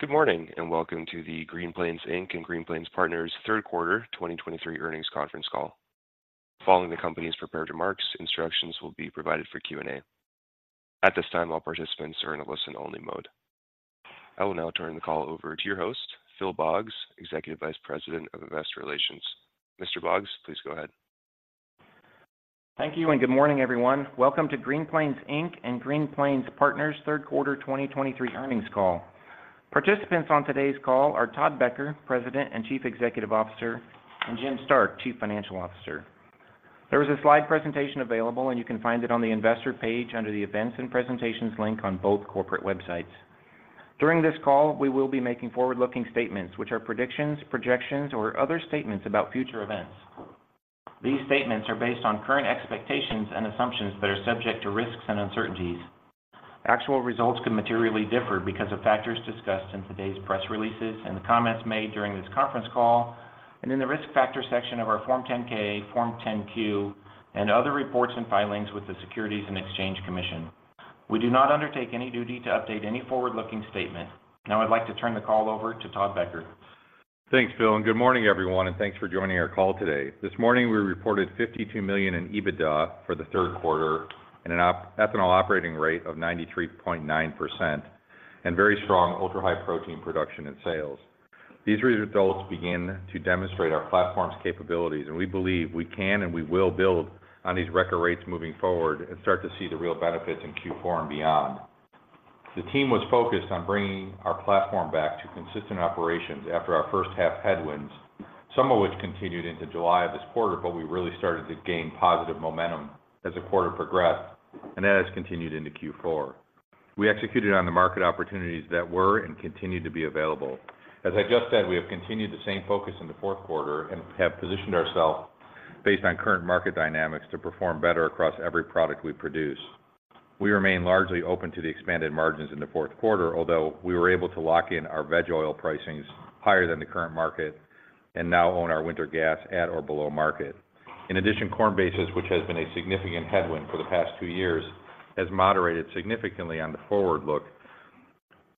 Good morning, and welcome to the Green Plains Inc. and Green Plains Partners third quarter 2023 earnings conference call. Following the company's prepared remarks, instructions will be provided for Q&A. At this time, all participants are in a listen-only mode. I will now turn the call over to your host, Phil Boggs, Executive Vice President of Investor Relations. Mr. Boggs, please go ahead. Thank you, and good morning, everyone. Welcome to Green Plains Inc. and Green Plains Partners third quarter 2023 earnings call. Participants on today's call are Todd Becker, President and Chief Executive Officer, and Jim Stark, Chief Financial Officer. There is a slide presentation available, and you can find it on the Investor page under the Events and Presentations link on both corporate websites. During this call, we will be making forward-looking statements, which are predictions, projections, or other statements about future events. These statements are based on current expectations and assumptions that are subject to risks and uncertainties. Actual results could materially differ because of factors discussed in today's press releases and the comments made during this conference call, and in the Risk Factors section of our Form 10-K, Form 10-Q, and other reports and filings with the Securities and Exchange Commission. We do not undertake any duty to update any forward-looking statement. Now, I'd like to turn the call over to Todd Becker. Thanks, Phil, and good morning, everyone, and thanks for joining our call today. This morning, we reported $52 million in EBITDA for the third quarter and an ethanol operating rate of 93.9% and very strong Ultra-High Protein production and sales. These results begin to demonstrate our platform's capabilities, and we believe we can and we will build on these record rates moving forward and start to see the real benefits in Q4 and beyond. The team was focused on bringing our platform back to consistent operations after our first half headwinds, some of which continued into July of this quarter, but we really started to gain positive momentum as the quarter progressed, and that has continued into Q4. We executed on the market opportunities that were and continue to be available. As I just said, we have continued the same focus in the fourth quarter and have positioned ourselves based on current market dynamics to perform better across every product we produce. We remain largely open to the expanded margins in the fourth quarter, although we were able to lock in our veg oil pricings higher than the current market and now own our winter gas at or below market. In addition, corn basis, which has been a significant headwind for the past two years, has moderated significantly on the forward look.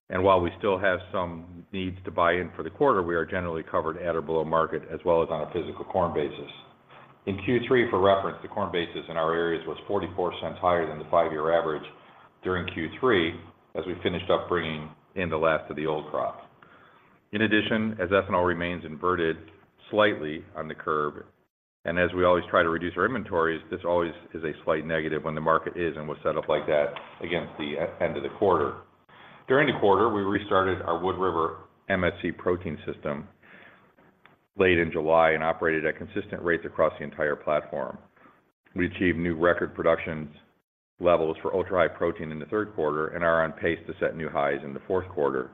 While we still have some needs to buy in for the quarter, we are generally covered at or below market, as well as on a physical corn basis. In Q3, for reference, the corn basis in our areas was $0.44 higher than the five-year average during Q3 as we finished up bringing in the last of the old crop. In addition, as ethanol remains inverted slightly on the curb, and as we always try to reduce our inventories, this always is a slight negative when the market is and was set up like that against the end of the quarter. During the quarter, we restarted our Wood River MSC protein system late in July and operated at consistent rates across the entire platform. We achieved new record production levels for Ultra-High Protein in the third quarter and are on pace to set new highs in the fourth quarter.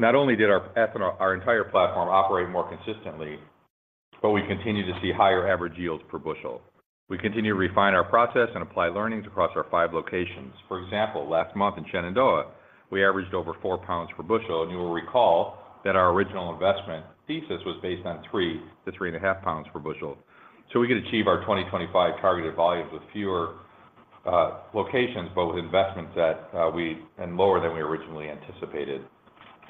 Not only did our ethanol, our entire platform operate more consistently, but we continue to see higher average yields per bushel. We continue to refine our process and apply learnings across our five locations. For example, last month in Shenandoah, we averaged over 4 lbs per bushel, and you will recall that our original investment thesis was based on 3-3.5 lbs per bushel. So we could achieve our 2025 targeted volumes with fewer locations, but with investments that and lower than we originally anticipated.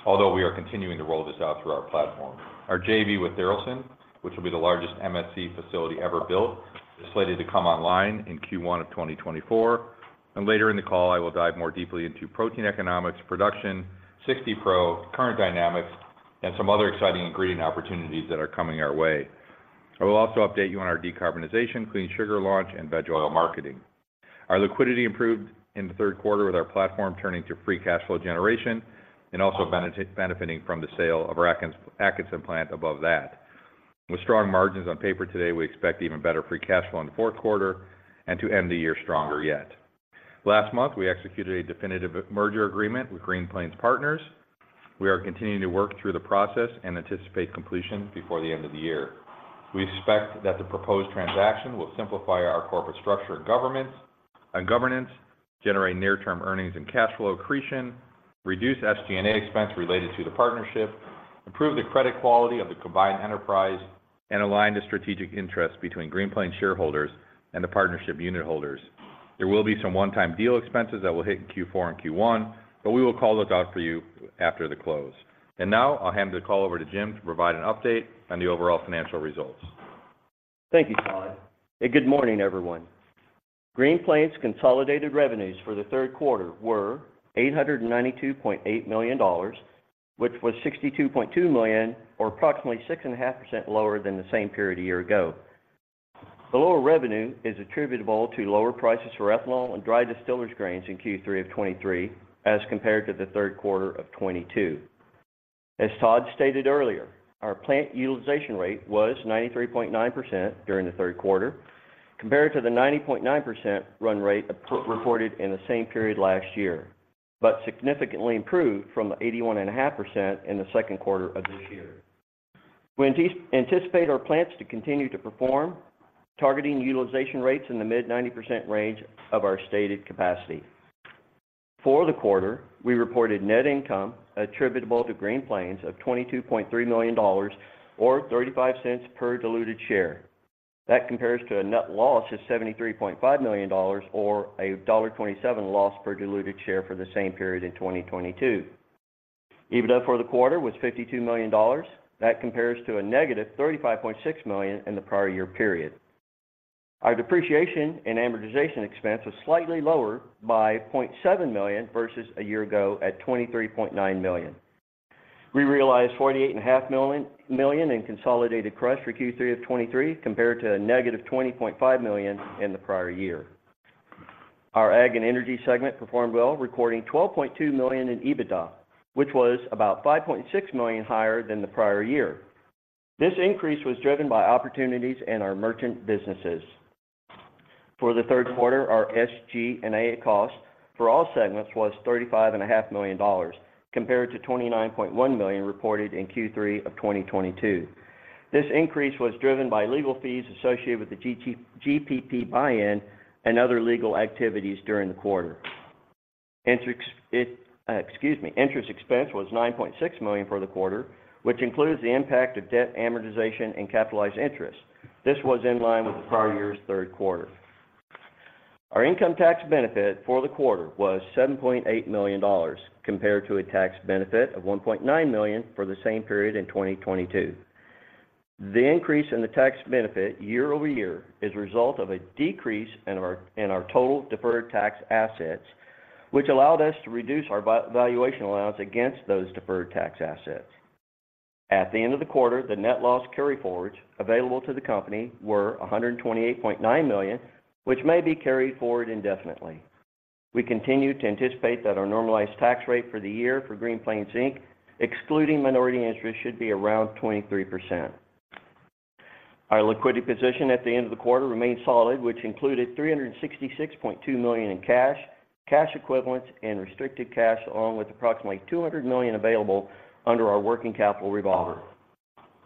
Although we are continuing to roll this out through our platform. Our JV with Tharaldson, which will be the largest MSC facility ever built, is slated to come online in Q1 of 2024, and later in the call, I will dive more deeply into protein economics, production, 60 Pro, current dynamics, and some other exciting ingredient opportunities that are coming our way. I will also update you on our decarbonization, clean sugar launch, and veg oil marketing. Our liquidity improved in the third quarter with our platform turning to free cash flow generation and also benefiting from the sale of our Atkinson plant above that. With strong margins on paper today, we expect even better free cash flow in the fourth quarter and to end the year stronger yet. Last month, we executed a definitive merger agreement with Green Plains Partners. We are continuing to work through the process and anticipate completion before the end of the year. We expect that the proposed transaction will simplify our corporate structure and governance, generate near-term earnings and cash flow accretion, reduce SG&A expense related to the partnership, improve the credit quality of the combined enterprise, and align the strategic interests between Green Plains shareholders and the partnership unit holders. There will be some one-time deal expenses that will hit in Q4 and Q1, but we will call those out for you after the close. Now I'll hand the call over to Jim to provide an update on the overall financial results. Thank you, Todd. Good morning, everyone. Green Plains' consolidated revenues for the third quarter were $892.8 million, which was $62.2 million or approximately 6.5% lower than the same period a year ago. The lower revenue is attributable to lower prices for ethanol and dry distillers grains in Q3 of 2023 as compared to the third quarter of 2022. As Todd stated earlier, our plant utilization rate was 93.9% during the third quarter, compared to the 90.9% run rate reported in the same period last year, but significantly improved from the 81.5% in the second quarter of this year. We anticipate our plants to continue to perform, targeting utilization rates in the mid-90% range of our stated capacity. For the quarter, we reported net income attributable to Green Plains of $22.3 million or $0.35 per diluted share. That compares to a net loss of $73.5 million or a $1.27 loss per diluted share for the same period in 2022. EBITDA for the quarter was $52 million. That compares to a -$35.6 million in the prior year period. Our depreciation and amortization expense was slightly lower by $0.7 million versus a year ago at $23.9 million. We realized $48.5 million in consolidated crush for Q3 of 2023, compared to a -$20.5 million in the prior year. Our Ag and Energy segment performed well, recording $12.2 million in EBITDA, which was about $5.6 million higher than the prior year. This increase was driven by opportunities in our merchant businesses. For the third quarter, our SG&A costs for all segments was $35.5 million, compared to $29.1 million reported in Q3 of 2022. This increase was driven by legal fees associated with the GPP buy-in and other legal activities during the quarter. Interest expense was $9.6 million for the quarter, which includes the impact of debt amortization and capitalized interest. This was in line with the prior year's third quarter. Our income tax benefit for the quarter was $7.8 million, compared to a tax benefit of $1.9 million for the same period in 2022. The increase in the tax benefit year over year is a result of a decrease in our total deferred tax assets, which allowed us to reduce our valuation allowance against those deferred tax assets. At the end of the quarter, the net loss carryforwards available to the company were $128.9 million, which may be carried forward indefinitely. We continue to anticipate that our normalized tax rate for the year for Green Plains Inc., excluding minority interest, should be around 23%. Our liquidity position at the end of the quarter remained solid, which included $366.2 million in cash, cash equivalents, and restricted cash, along with approximately $200 million available under our working capital revolver.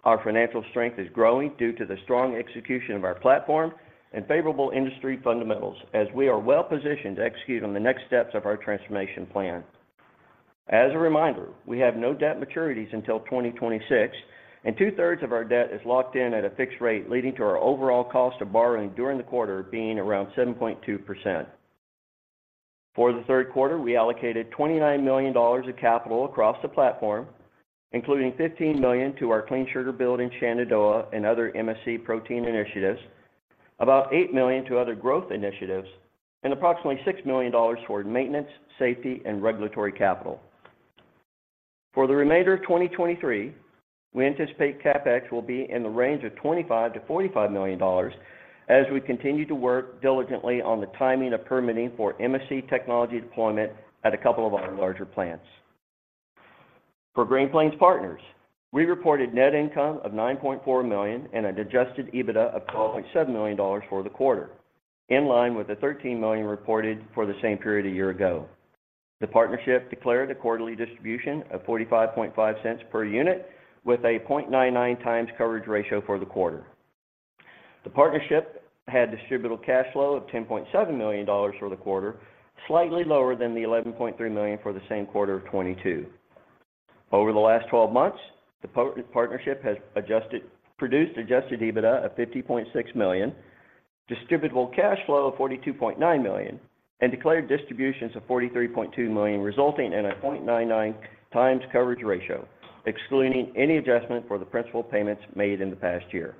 Our financial strength is growing due to the strong execution of our platform and favorable industry fundamentals, as we are well positioned to execute on the next steps of our transformation plan. As a reminder, we have no debt maturities until 2026, and 2/3 of our debt is locked in at a fixed rate, leading to our overall cost of borrowing during the quarter being around 7.2%. For the third quarter, we allocated $29 million of capital across the platform, including $15 million to our Clean Sugar build in Shenandoah and other MSC protein initiatives, about $8 million to other growth initiatives, and approximately $6 million toward maintenance, safety, and regulatory capital. For the remainder of 2023, we anticipate CapEx will be in the range of $25 million-$45 million as we continue to work diligently on the timing of permitting for MSC technology deployment at a couple of our larger plants. For Green Plains partners, we reported net income of $9.4 million and an adjusted EBITDA of $12.7 million for the quarter, in line with the $13 million reported for the same period a year ago. The partnership declared a quarterly distribution of $0.455 per unit, with a 0.99x coverage ratio for the quarter. The partnership had distributable cash flow of $10.7 million for the quarter, slightly lower than the $11.3 million for the same quarter of 2022. Over the last 12 months, the partnership has produced adjusted EBITDA of $50.6 million, distributable cash flow of $42.9 million, and declared distributions of $43.2 million, resulting in a 0.99x coverage ratio, excluding any adjustment for the principal payments made in the past year.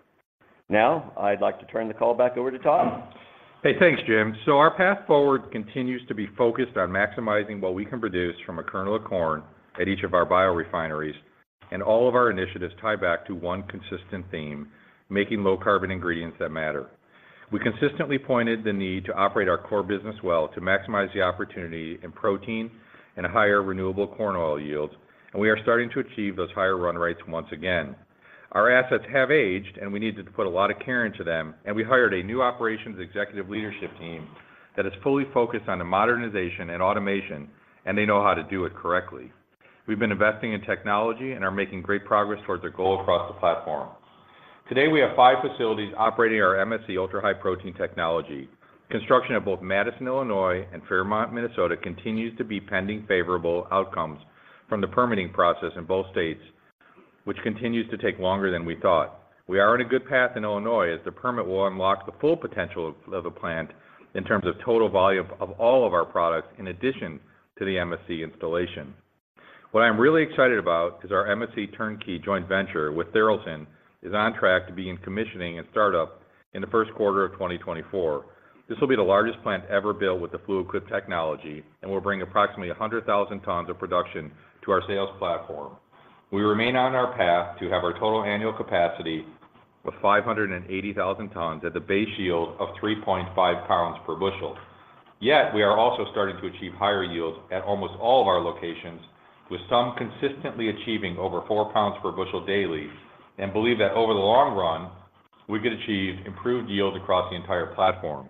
Now, I'd like to turn the call back over to Todd. Hey, thanks, Jim. So our path forward continues to be focused on maximizing what we can produce from a kernel of corn at each of our biorefineries, and all of our initiatives tie back to one consistent theme: making low-carbon ingredients that matter. We consistently pointed the need to operate our core business well to maximize the opportunity in protein and higher Renewable Corn Oil yields, and we are starting to achieve those higher run rates once again. Our assets have aged, and we needed to put a lot of care into them, and we hired a new operations executive leadership team that is fully focused on the modernization and automation, and they know how to do it correctly. We've been investing in technology and are making great progress towards our goal across the platform. Today, we have five facilities operating our MSC Ultra-High Protein technology. Construction of both Madison, Illinois, and Fairmont, Minnesota, continues to be pending favorable outcomes from the permitting process in both states, which continues to take longer than we thought. We are on a good path in Illinois, as the permit will unlock the full potential of the plant in terms of total volume of all of our products, in addition to the MSC installation. What I'm really excited about is our MSC turnkey joint venture with Tharaldson is on track to be in commissioning and startup in the first quarter of 2024. This will be the largest plant ever built with the Fluid Quip technology and will bring approximately 100,000 tons of production to our sales platform. We remain on our path to have our total annual capacity of 580,000 tons at the base yield of 3.5 lbs per bushel. Yet, we are also starting to achieve higher yields at almost all of our locations, with some consistently achieving over 4 lbs per bushel daily, and believe that over the long run, we could achieve improved yields across the entire platform.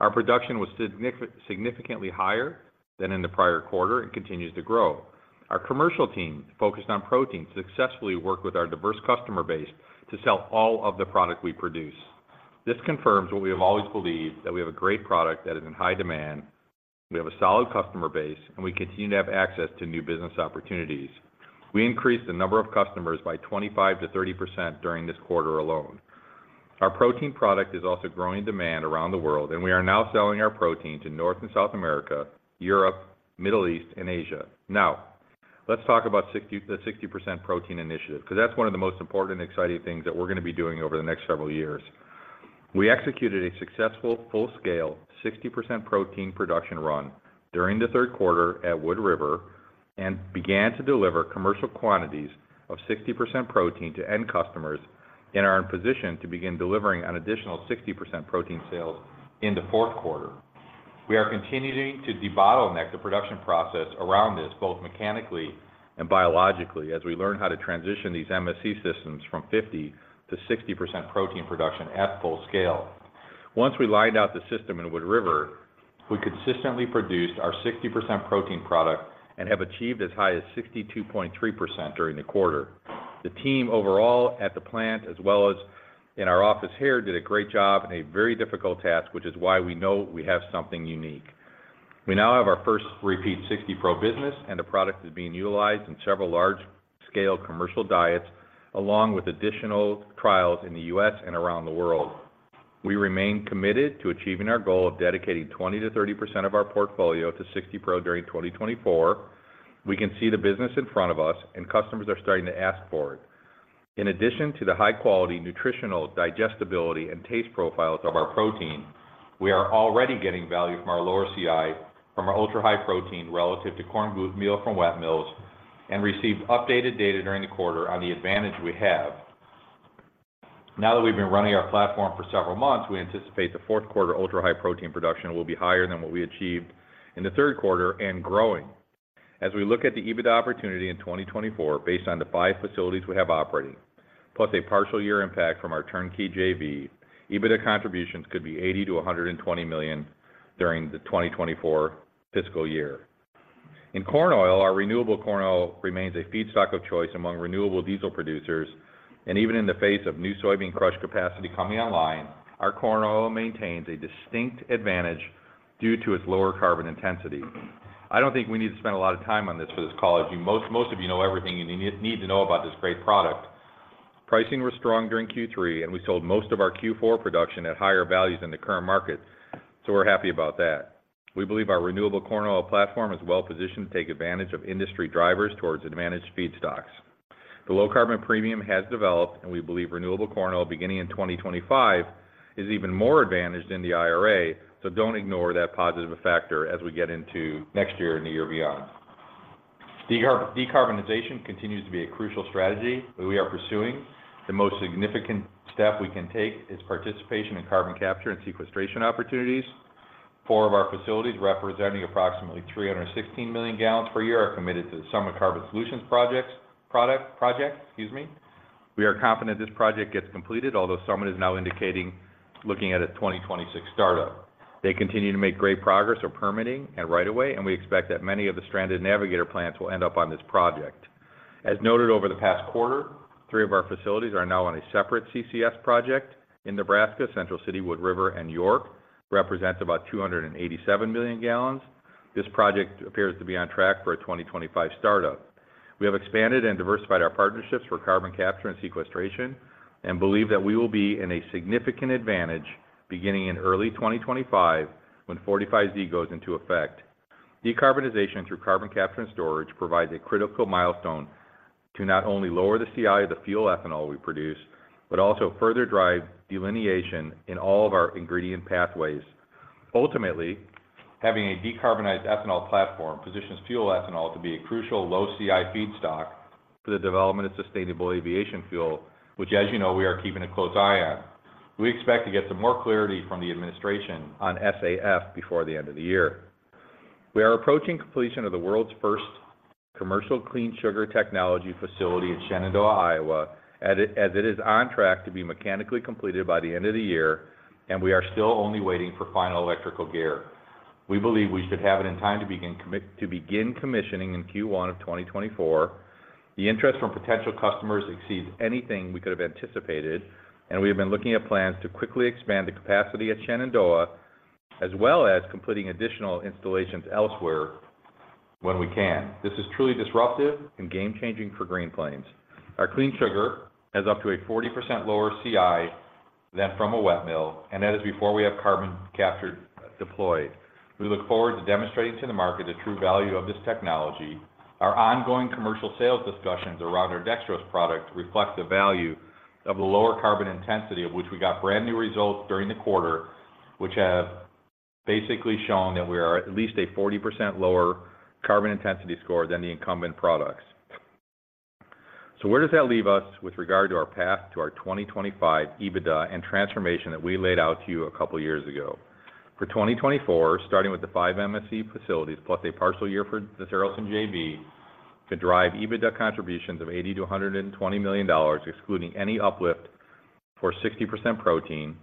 Our production was significantly higher than in the prior quarter and continues to grow. Our commercial team, focused on protein, successfully worked with our diverse customer base to sell all of the product we produce. This confirms what we have always believed, that we have a great product that is in high demand.... We have a solid customer base, and we continue to have access to new business opportunities. We increased the number of customers by 25%-30% during this quarter alone. Our protein product is also growing in demand around the world, and we are now selling our protein to North and South America, Europe, Middle East, and Asia. Now, let's talk about the 60% protein initiative, because that's one of the most important and exciting things that we're going to be doing over the next several years. We executed a successful full-scale, 60% protein production run during the third quarter at Wood River, and began to deliver commercial quantities of 60% protein to end customers, and are in position to begin delivering an additional 60% protein sales in the fourth quarter. We are continuing to debottleneck the production process around this, both mechanically and biologically, as we learn how to transition these MSC systems from 50%-60% protein production at full scale. Once we lined out the system in Wood River, we consistently produced our 60% protein product and have achieved as high as 62.3% during the quarter. The team overall at the plant, as well as in our office here, did a great job in a very difficult task, which is why we know we have something unique. We now have our first repeat 60 Pro business, and the product is being utilized in several large-scale commercial diets, along with additional trials in the U.S. and around the world. We remain committed to achieving our goal of dedicating 20%-30% of our portfolio to 60 Pro during 2024. We can see the business in front of us, and customers are starting to ask for it. In addition to the high-quality nutritional digestibility and taste profiles of our protein, we are already getting value from our lower CI, from our ultra-high protein relative to corn gluten meal from wet mills, and received updated data during the quarter on the advantage we have. Now that we've been running our platform for several months, we anticipate the fourth quarter Ultra-High Protein production will be higher than what we achieved in the third quarter and growing. As we look at the EBITDA opportunity in 2024, based on the five facilities we have operating, plus a partial year impact from our turnkey JV, EBITDA contributions could be $80 million-$120 million during the 2024 fiscal year. In corn oil, our Renewable Corn Oil remains a feedstock of choice among renewable diesel producers, and even in the face of new soybean crush capacity coming online, our corn oil maintains a distinct advantage due to its lower carbon intensity. I don't think we need to spend a lot of time on this for this call. As you most of you know everything you need to know about this great product. Pricing was strong during Q3, and we sold most of our Q4 production at higher values than the current market, so we're happy about that. We believe our Renewable Corn Oil platform is well positioned to take advantage of industry drivers towards advantaged feedstocks. The low-carbon premium has developed, and we believe renewable corn oil, beginning in 2025, is even more advantaged than the IRA, so don't ignore that positive factor as we get into next year and the year beyond. Decarbonization continues to be a crucial strategy that we are pursuing. The most significant step we can take is participation in carbon capture and sequestration opportunities. Four of our facilities, representing approximately 316 million gals per year, are committed to the Summit Carbon Solutions project, excuse me. We are confident this project gets completed, although Summit is now indicating looking at a 2026 startup. They continue to make great progress on permitting and right-of-way, and we expect that many of the stranded Navigator plants will end up on this project. As noted over the past quarter, three of our facilities are now on a separate CCS project in Nebraska. Central City, Wood River, and York represent about 287 million gal. This project appears to be on track for a 2025 startup. We have expanded and diversified our partnerships for carbon capture and sequestration and believe that we will be in a significant advantage beginning in early 2025, when 45Z goes into effect. Decarbonization through carbon capture and storage provides a critical milestone to not only lower the CI of the fuel ethanol we produce, but also further drive delineation in all of our ingredient pathways. Ultimately, having a decarbonized ethanol platform positions fuel ethanol to be a crucial low-CI feedstock for the development of sustainable aviation fuel, which, as you know, we are keeping a close eye on. We expect to get some more clarity from the administration on SAF before the end of the year. We are approaching completion of the world's first commercial Clean Sugar Technology facility in Shenandoah, Iowa, as it is on track to be mechanically completed by the end of the year, and we are still only waiting for final electrical gear. We believe we should have it in time to begin commissioning in Q1 of 2024. The interest from potential customers exceeds anything we could have anticipated, and we have been looking at plans to quickly expand the capacity at Shenandoah, as well as completing additional installations elsewhere when we can. This is truly disruptive and game-changing for Green Plains. Our Clean Sugar has up to 40% lower CI than from a wet mill, and that is before we have carbon capture deployed. We look forward to demonstrating to the market the true value of this technology. Our ongoing commercial sales discussions around our dextrose product reflect the value of the lower carbon intensity, of which we got brand-new results during the quarter, which have basically shown that we are at least a 40% lower carbon intensity score than the incumbent products. So where does that leave us with regard to our path to our 2025 EBITDA and transformation that we laid out to you a couple of years ago? For 2024, starting with the five MSC facilities, plus a partial year for the Tharaldson JV, could drive EBITDA contributions of $80 million-$120 million, excluding any uplift for 60% protein.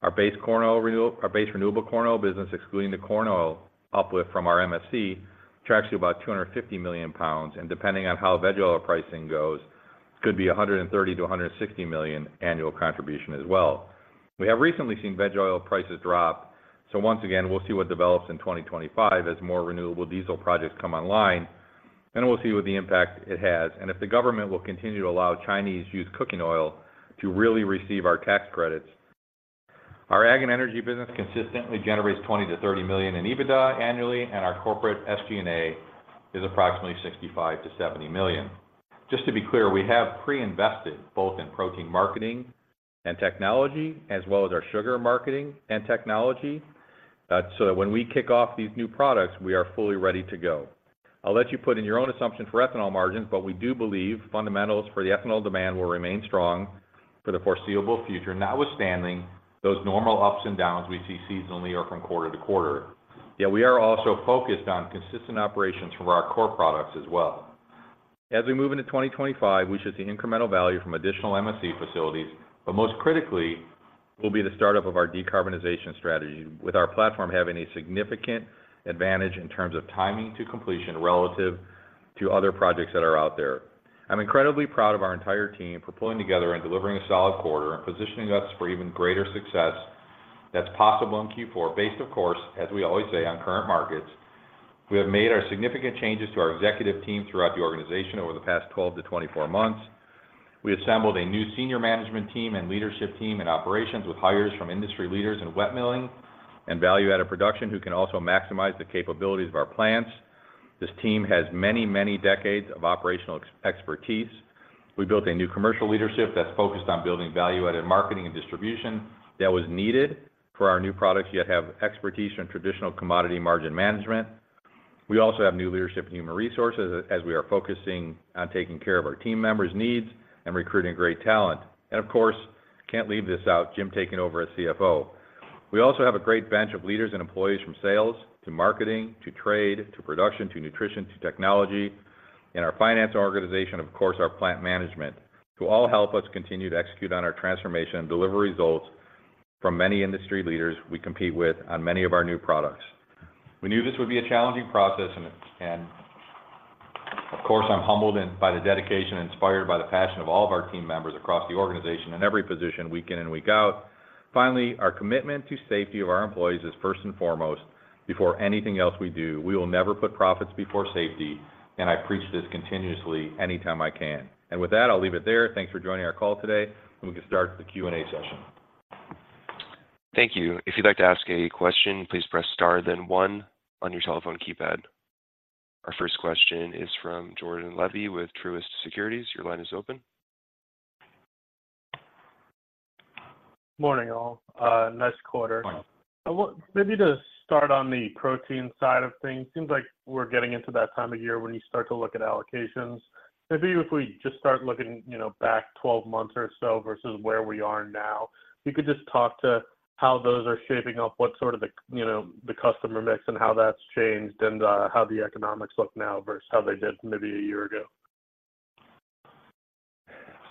Our base corn oil renewable—our base renewable corn oil business, excluding the corn oil uplift from our MSC, tracks to about 250 million lbs, and depending on how veg oil pricing goes, could be a $130 million-$160 million annual contribution as well.... We have recently seen veg oil prices drop. So once again, we'll see what develops in 2025 as more renewable diesel projects come online, and we'll see what the impact it has, and if the government will continue to allow Chinese used cooking oil to really receive our tax credits. Our ag and energy business consistently generates $20 million-$30 million in EBITDA annually, and our corporate SG&A is approximately $65 million-$70 million. Just to be clear, we have pre-invested both in protein marketing and technology, as well as our sugar marketing and technology, so that when we kick off these new products, we are fully ready to go. I'll let you put in your own assumptions for ethanol margins, but we do believe fundamentals for the ethanol demand will remain strong for the foreseeable future, notwithstanding those normal ups and downs we see seasonally or from quarter to quarter. Yet, we are also focused on consistent operations from our core products as well. As we move into 2025, we should see incremental value from additional MSC facilities, but most critically, will be the start-up of our decarbonization strategy, with our platform having a significant advantage in terms of timing to completion relative to other projects that are out there. I'm incredibly proud of our entire team for pulling together and delivering a solid quarter and positioning us for even greater success that's possible in Q4, based, of course, as we always say, on current markets. We have made our significant changes to our executive team throughout the organization over the past 12-24 months. We assembled a new senior management team and leadership team in operations with hires from industry leaders in wet milling and value-added production, who can also maximize the capabilities of our plants. This team has many, many decades of operational expertise. We built a new commercial leadership that's focused on building value-added marketing and distribution that was needed for our new products, yet have expertise in traditional commodity margin management. We also have new leadership in human resources as we are focusing on taking care of our team members' needs and recruiting great talent. And of course, can't leave this out, Jim taking over as CFO. We also have a great bench of leaders and employees from sales to marketing, to trade, to production, to nutrition, to technology, in our finance organization, of course, our plant management, who all help us continue to execute on our transformation and deliver results from many industry leaders we compete with on many of our new products. We knew this would be a challenging process, and of course, I'm humbled and by the dedication, inspired by the passion of all of our team members across the organization in every position, week in and week out. Finally, our commitment to safety of our employees is first and foremost before anything else we do. We will never put profits before safety, and I preach this continuously anytime I can. With that, I'll leave it there. Thanks for joining our call today, and we can start the Q&A session. Thank you. If you'd like to ask a question, please press star, then one on your telephone keypad. Our first question is from Jordan Levy with Truist Securities. Your line is open. Morning, all. Nice quarter. Morning. I want maybe to start on the protein side of things. It seems like we're getting into that time of year when you start to look at allocations. Maybe if we just start looking, you know, back 12 months or so versus where we are now, you could just talk to how those are shaping up, what sort of the, you know, the customer mix and how that's changed, and how the economics look now versus how they did maybe a year ago.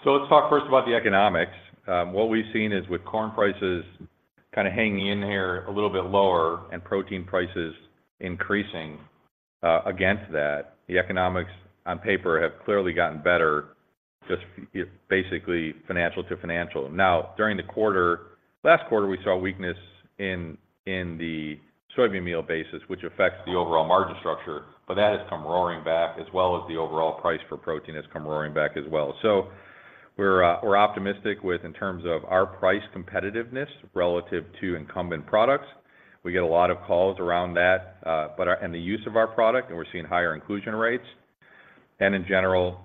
So let's talk first about the economics. What we've seen is with corn prices kinda hanging in here a little bit lower and protein prices increasing against that, the economics on paper have clearly gotten better, just basically, financial to financial. Now, during the quarter, last quarter, we saw a weakness in the soybean meal basis, which affects the overall margin structure, but that has come roaring back, as well as the overall price for protein has come roaring back as well. So we're optimistic within terms of our price competitiveness relative to incumbent products. We get a lot of calls around that, but and the use of our product, and we're seeing higher inclusion rates. And in general,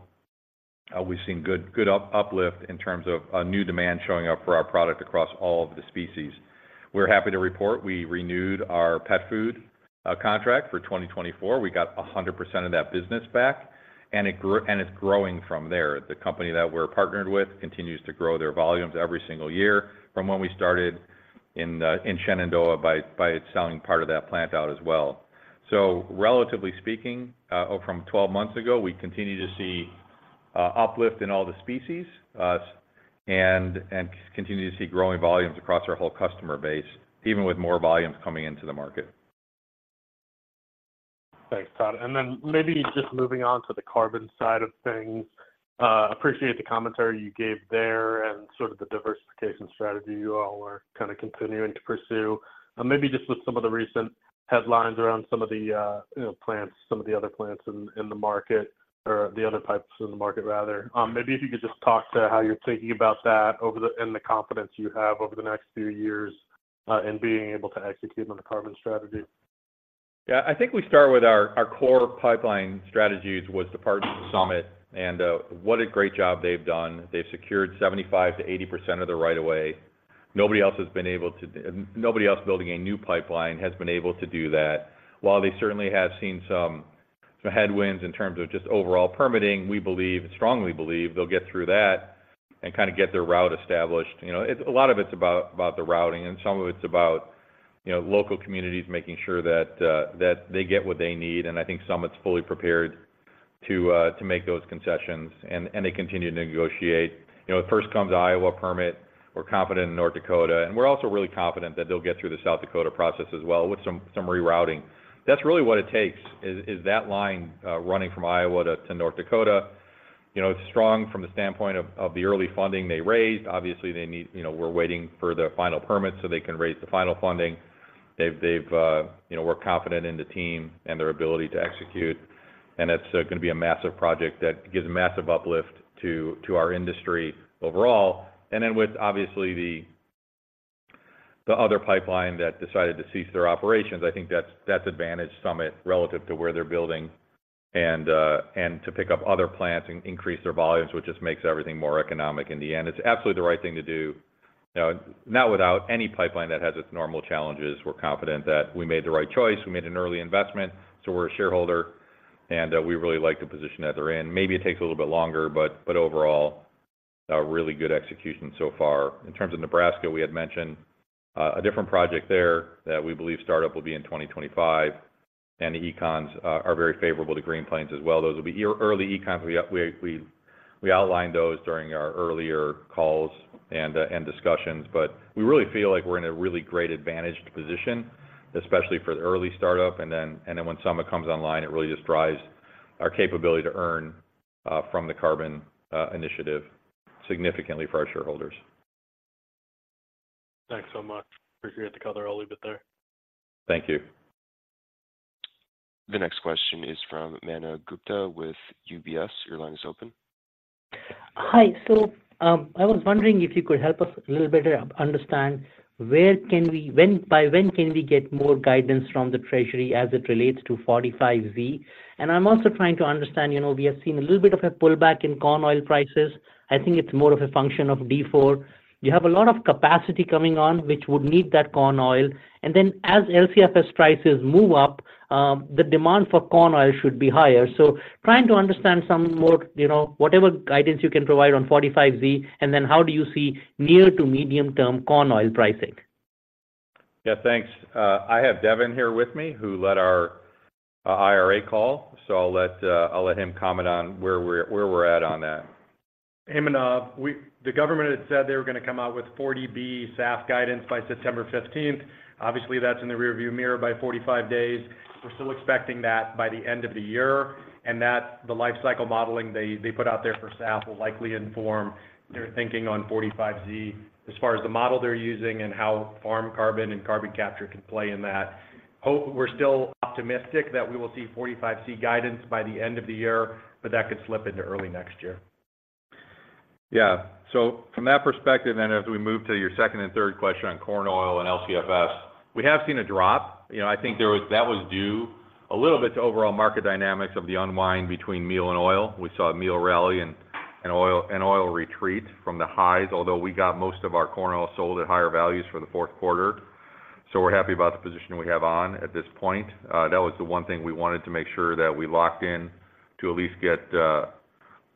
we've seen good uplift in terms of new demand showing up for our product across all of the species. We're happy to report we renewed our pet food contract for 2024. We got 100% of that business back, and it grew, and it's growing from there. The company that we're partnered with continues to grow their volumes every single year from when we started in Shenandoah by selling part of that plant out as well. So relatively speaking, from 12 months ago, we continue to see uplift in all the species, and continue to see growing volumes across our whole customer base, even with more volumes coming into the market. Thanks, Todd. Then maybe just moving on to the carbon side of things. Appreciate the commentary you gave there and sort of the diversification strategy you all are kinda continuing to pursue. Maybe just with some of the recent headlines around some of the, you know, plants, some of the other plants in the market or the other pipes in the market, rather. Maybe if you could just talk to how you're thinking about that and the confidence you have over the next few years in being able to execute on the carbon strategy. Yeah. I think we start with our core pipeline strategies with the partner, Summit, and what a great job they've done. They've secured 75%-80% of the right-of-way. Nobody else has been able to—nobody else building a new pipeline has been able to do that. While they certainly have seen some headwinds in terms of just overall permitting, we believe, strongly believe they'll get through that and kinda get their route established. You know, it's a lot of it's about the routing, and some of it's about, you know, local communities making sure that they get what they need, and I think Summit's fully prepared to make those concessions, and they continue to negotiate. You know, it first comes Iowa permit, we're confident in North Dakota, and we're also really confident that they'll get through the South Dakota process as well with some rerouting. That's really what it takes, is that line running from Iowa to North Dakota. You know, it's strong from the standpoint of the early funding they raised. Obviously, they need—you know, we're waiting for the final permits so they can raise the final funding. They've, you know, we're confident in the team and their ability to execute, and it's gonna be a massive project that gives a massive uplift to our industry overall. And then with obviously the other pipeline that decided to cease their operations, I think that's advantaged Summit relative to where they're building and to pick up other plants and increase their volumes, which just makes everything more economic in the end. It's absolutely the right thing to do. Not without any pipeline that has its normal challenges, we're confident that we made the right choice. We made an early investment, so we're a shareholder, and we really like the position that they're in. Maybe it takes a little bit longer, but overall, a really good execution so far. In terms of Nebraska, we had mentioned a different project there that we believe startup will be in 2025, and the econs are very favorable to Green Plains as well. Those will be early econs. We outlined those during our earlier calls and discussions, but we really feel like we're in a really great advantaged position, especially for the early startup, and then when Summit comes online, it really just drives our capability to earn from the carbon initiative significantly for our shareholders. Thanks so much. Appreciate the color. I'll leave it there. Thank you. The next question is from Manav Gupta with UBS. Your line is open. Hi. So, I was wondering if you could help us a little better understand by when can we get more guidance from the treasury as it relates to 45Z? And I'm also trying to understand, you know, we have seen a little bit of a pullback in corn oil prices. I think it's more of a function of D4. You have a lot of capacity coming on, which would need that corn oil, and then as LCFS prices move up, the demand for corn oil should be higher. So trying to understand some more, you know, whatever guidance you can provide on 45Z, and then how do you see near to medium-term corn oil pricing? Yeah, thanks. I have Devin here with me, who led our IRA call, so I'll let him comment on where we're at on that. Hey, Manav. We—the government had said they were gonna come out with 40B SAF guidance by September fifteenth. Obviously, that's in the rearview mirror by 45 days. We're still expecting that by the end of the year, and that the life cycle modeling they, they put out there for SAF will likely inform their thinking on 45Z as far as the model they're using and how farm carbon and carbon capture can play in that. Hope—we're still optimistic that we will see 45Q guidance by the end of the year, but that could slip into early next year. Yeah. So from that perspective, then, as we move to your second and third question on corn oil and LCFS, we have seen a drop. You know, I think there was that was due a little bit to overall market dynamics of the unwind between meal and oil. We saw a meal rally and oil retreat from the highs, although we got most of our corn oil sold at higher values for the fourth quarter. So we're happy about the position we have on at this point. That was the one thing we wanted to make sure that we locked in to at least get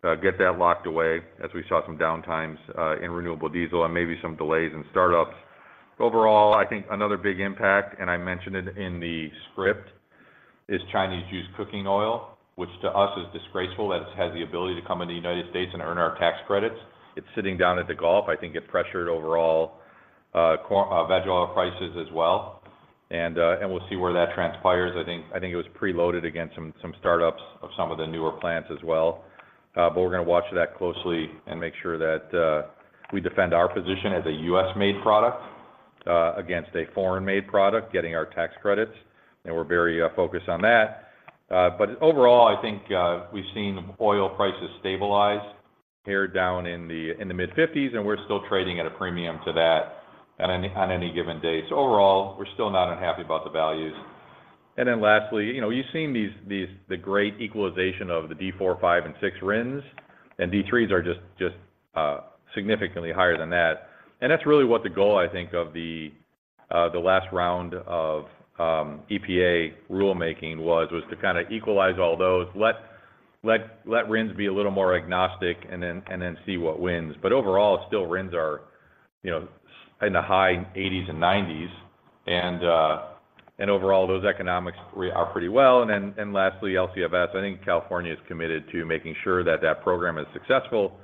that locked away as we saw some downtimes in renewable diesel and maybe some delays in startups. Overall, I think another big impact, and I mentioned it in the script, is Chinese used cooking oil, which to us is disgraceful, that it has the ability to come into the United States and earn our tax credits. It's sitting down at the Gulf. I think it pressured overall corn veg oil prices as well. And we'll see where that transpires. I think it was preloaded against some startups of some of the newer plants as well. But we're gonna watch that closely and make sure that we defend our position as a U.S.-made product against a foreign-made product getting our tax credits, and we're very focused on that. But overall, I think we've seen oil prices stabilize, pared down in the mid-50s, and we're still trading at a premium to that on any given day. So overall, we're still not unhappy about the values. And then lastly, you know, you've seen these the great equalization of the D4, D5, and D6 RINs, and D3s are just significantly higher than that. And that's really what the goal, I think, of the last round of EPA rulemaking was to kinda equalize all those. Let RINs be a little more agnostic and then see what wins. But overall, still RINs are, you know, in the high 80s and 90s, and overall, those economics are pretty well. And lastly, LCFS, I think California is committed to making sure that that program is successful.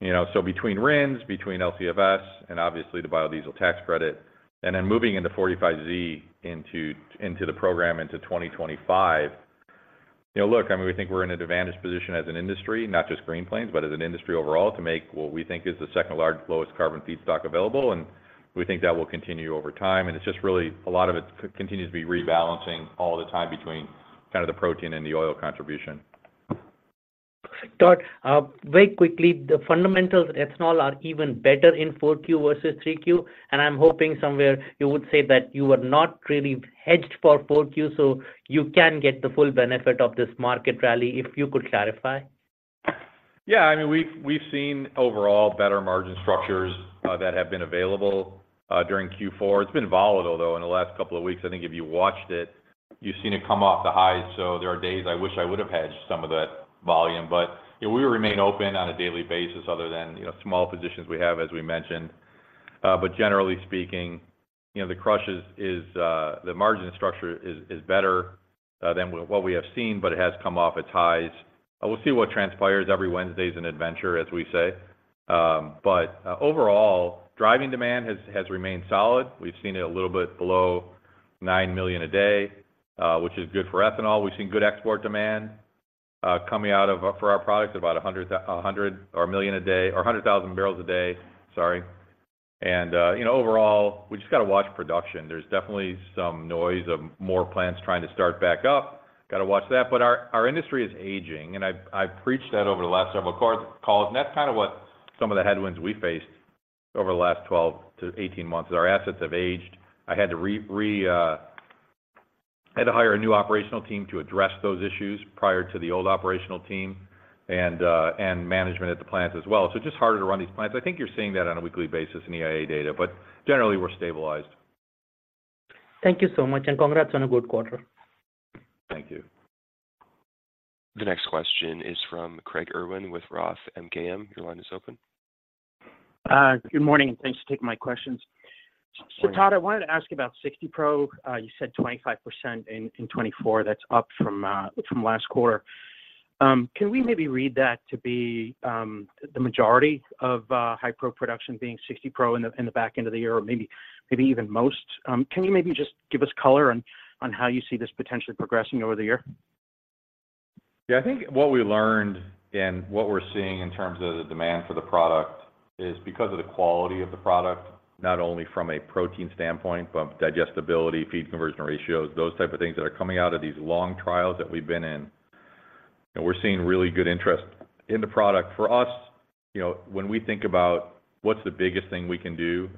You know, so between RINs, between LCFS, and obviously the biodiesel tax credit, and then moving into 45Z into the program into 2025, you know, look, I mean, we think we're in an advantage position as an industry, not just Green Plains, but as an industry overall, to make what we think is the second largest lowest carbon feedstock available, and we think that will continue over time. And it's just really, a lot of it continues to be rebalancing all the time between kind of the protein and the oil contribution. Todd, very quickly, the fundamentals ethanol are even better in 4Q versus 3Q, and I'm hoping somewhere you would say that you are not really hedged for 4Q, so you can get the full benefit of this market rally, if you could clarify? Yeah, I mean, we've seen overall better margin structures that have been available during Q4. It's been volatile, though, in the last couple of weeks. I think if you watched it, you've seen it come off the highs, so there are days I wish I would have hedged some of that volume, but, you know, we remain open on a daily basis other than, you know, small positions we have, as we mentioned. But generally speaking, you know, the crush is the margin structure is better than what we have seen, but it has come off its highs. We'll see what transpires. Every Wednesday is an adventure, as we say. But overall, dry grind demand has remained solid. We've seen it a little bit below 9 million a day, which is good for ethanol. We've seen good export demand, coming out for our products, about a hundred thousand or a million a day, or 100,000 barrels a day, sorry. And, you know, overall, we just gotta watch production. There's definitely some noise of more plants trying to start back up. Gotta watch that. But our industry is aging, and I've preached that over the last several calls, and that's kind of what some of the headwinds we faced over the last 12-18 months. Our assets have aged. I had to hire a new operational team to address those issues prior to the old operational team, and management at the plants as well. So just harder to run these plants. I think you're seeing that on a weekly basis in EIA data, but generally, we're stabilized. Thank you so much, and congrats on a good quarter. Thank you. The next question is from Craig Irwin with Roth MKM. Your line is open. Good morning, and thanks for taking my questions. Good morning. So Todd, I wanted to ask you about 60 Pro. You said 25% in 2024, that's up from last quarter. Can we maybe read that to be the majority of high pro production being 60 Pro in the back end of the year, or maybe even most? Can you maybe just give us color on how you see this potentially progressing over the year? Yeah, I think what we learned and what we're seeing in terms of the demand for the product is because of the quality of the product, not only from a protein standpoint, but digestibility, feed conversion ratios, those type of things that are coming out of these long trials that we've been in, and we're seeing really good interest in the product. For us, you know, when we think about what's the biggest thing we can do,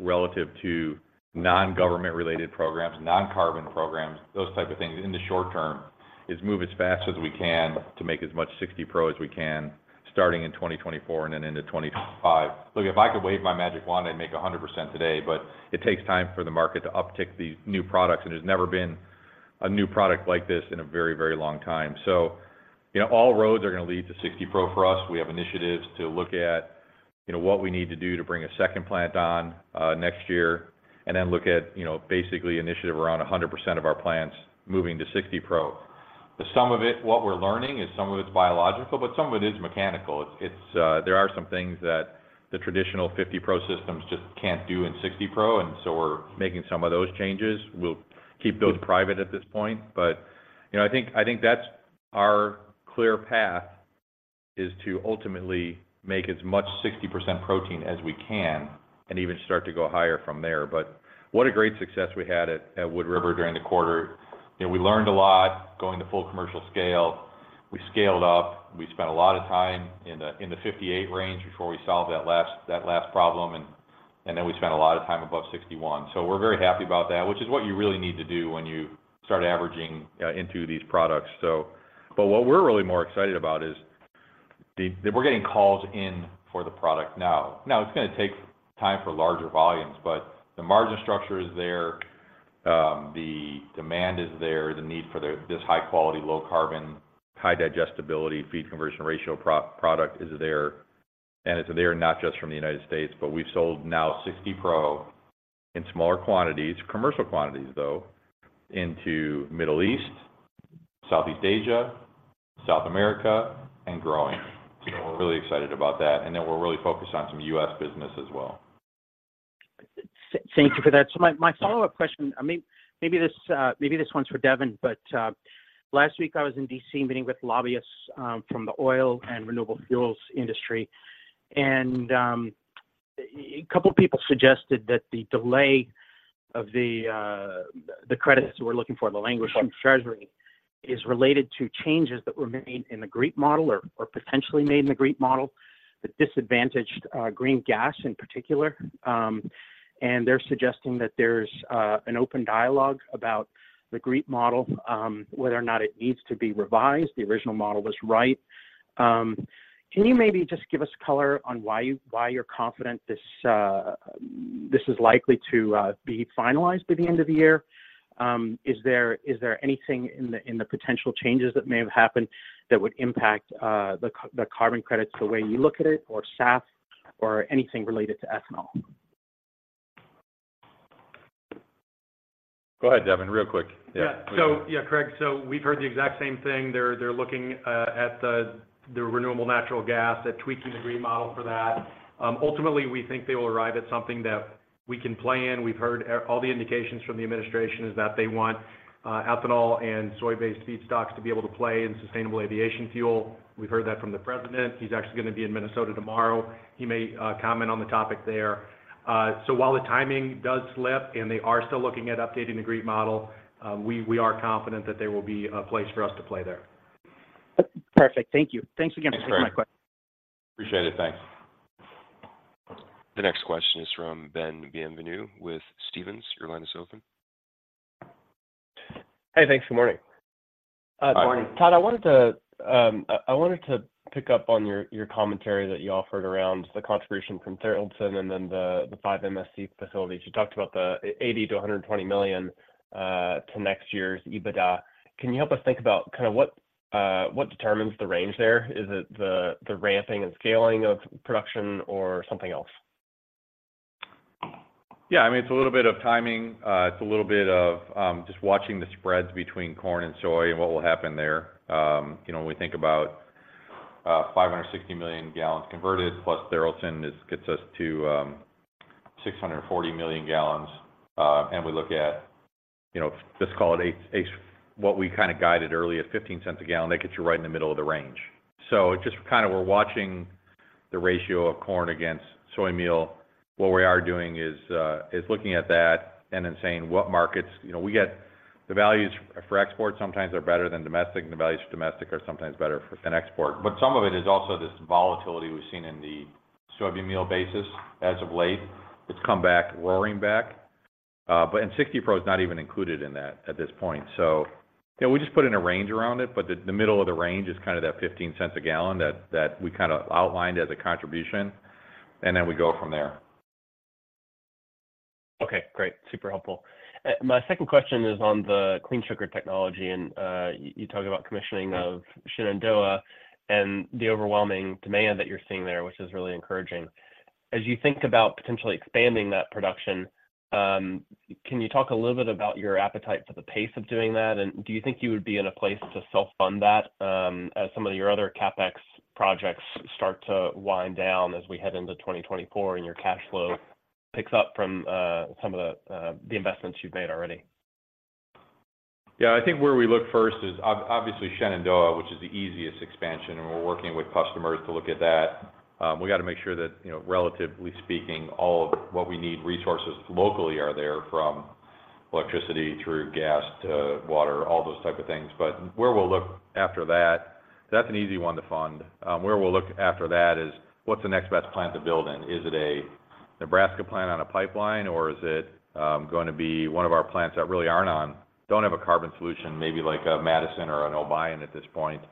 relative to non-government related programs, non-carbon programs, those type of things in the short term, is move as fast as we can to make as much 60 Pro as we can, starting in 2024 and then into 2025. Look, if I could wave my magic wand, I'd make 100% today, but it takes time for the market to uptick these new products, and there's never been a new product like this in a very, very long time. So, you know, all roads are gonna lead to 60 Pro for us. We have initiatives to look at, you know, what we need to do to bring a second plant on next year, and then look at, you know, basically initiative around 100% of our plants moving to 60 Pro. The sum of it, what we're learning, is some of it's biological, but some of it is mechanical. It's, it's, there are some things that the traditional 50 Pro systems just can't do in 60 Pro, and so we're making some of those changes. We'll keep those private at this point, but, you know, I think, I think that's our clear path, is to ultimately make as much 60% protein as we can, and even start to go higher from there. But what a great success we had at Wood River during the quarter. You know, we learned a lot going to full commercial scale. We scaled up, we spent a lot of time in the 58 range before we solved that last problem, and then we spent a lot of time above 61. So we're very happy about that, which is what you really need to do when you start averaging into these products. So, but what we're really more excited about is that we're getting calls in for the product now. Now, it's gonna take time for larger volumes, but the margin structure is there, the demand is there, the need for this high quality, low carbon, high digestibility, feed conversion ratio product is there. And it's there not just from the United States, but we've sold now 60 Pro in smaller quantities, commercial quantities, though, into Middle East, Southeast Asia, South America, and growing. So we're really excited about that, and then we're really focused on some U.S. business as well. Thank you for that. So my follow-up question, I mean, maybe this one's for Devin, but last week I was in D.C. meeting with lobbyists from the oil and renewable fuels industry, and a couple of people suggested that the delay of the credits we're looking for, the language from Treasury, is related to changes that were made in the GREET model or potentially made in the GREET model, that disadvantaged green gas in particular. And they're suggesting that there's an open dialogue about the GREET model, whether or not it needs to be revised. The original model was right. Can you maybe just give us color on why you're confident this is likely to be finalized by the end of the year? Is there anything in the potential changes that may have happened that would impact the carbon credits, the way you look at it, or SAF, or anything related to ethanol? Go ahead, Devin, real quick. Yeah. Yeah. So, yeah, Craig, so we've heard the exact same thing. They're looking at the renewable natural gas; they're tweaking the GREET model for that. Ultimately, we think they will arrive at something that we can play in. We've heard all the indications from the administration is that they want ethanol and soy-based feedstocks to be able to play in sustainable aviation fuel. We've heard that from the president. He's actually gonna be in Minnesota tomorrow. He may comment on the topic there. So while the timing does slip, and they are still looking at updating the GREET model, we are confident that there will be a place for us to play there. Perfect. Thank you. Thanks again- Thanks, Craig... for taking my question. Appreciate it. Thanks. The next question is from Ben Bienvenu with Stephens. Your line is open. Hey, thanks. Good morning. Hi. Good morning. Todd, I wanted to, I wanted to pick up on your, your commentary that you offered around the contribution from Tharaldson and then the, the five MSC facilities. You talked about the $80 million-$120 million to next year's EBITDA. Can you help us think about kind of what, what determines the range there? Is it the, the ramping and scaling of production or something else? Yeah, I mean, it's a little bit of timing. It's a little bit of just watching the spreads between corn and soy and what will happen there. You know, when we think about 560 million gals converted, plus Tharaldson gets us to 640 million gals. And we look at, you know, just call it eight, eight what we kind of guided early at $0.15 a gal, that gets you right in the middle of the range. So just kind of we're watching the ratio of corn against soy meal. What we are doing is looking at that and then saying, what markets. You know, we get the values for export sometimes are better than domestic, and the values for domestic are sometimes better for than export. But some of it is also this volatility we've seen in the soybean meal basis as of late. It's come back, roaring back. But and 60 Pro is not even included in that at this point. So, you know, we just put in a range around it, but the, the middle of the range is kind of that $0.15 a gal that, that we kinda outlined as a contribution, and then we go from there. Okay, great. Super helpful. My second question is on the Clean Sugar Technology, and you talked about commissioning of Shenandoah and the overwhelming demand that you're seeing there, which is really encouraging. As you think about potentially expanding that production, can you talk a little bit about your appetite for the pace of doing that, and do you think you would be in a place to self-fund that, as some of your other CapEx projects start to wind down as we head into 2024 and your cash flow picks up from some of the investments you've made already? Yeah. I think where we look first is obviously Shenandoah, which is the easiest expansion, and we're working with customers to look at that. We got to make sure that, you know, relatively speaking, all of what we need, resources locally are there, from electricity through gas to water, all those type of things. But where we'll look after that, that's an easy one to fund. Where we'll look after that is, what's the next best plant to build in? Is it a Nebraska plant on a pipeline, or is it going to be one of our plants that really aren't on don't have a carbon solution, maybe like a Madison or an Obion at this point.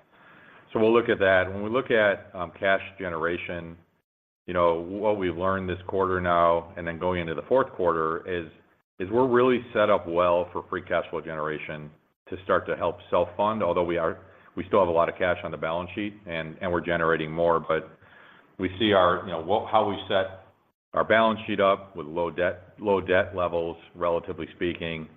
So we'll look at that. When we look at cash generation, you know, what we've learned this quarter now, and then going into the fourth quarter, is we're really set up well for free cash flow generation to start to help self-fund. Although we still have a lot of cash on the balance sheet, and we're generating more, but we see our, you know, how we set our balance sheet up with low debt, low debt levels, relatively speaking,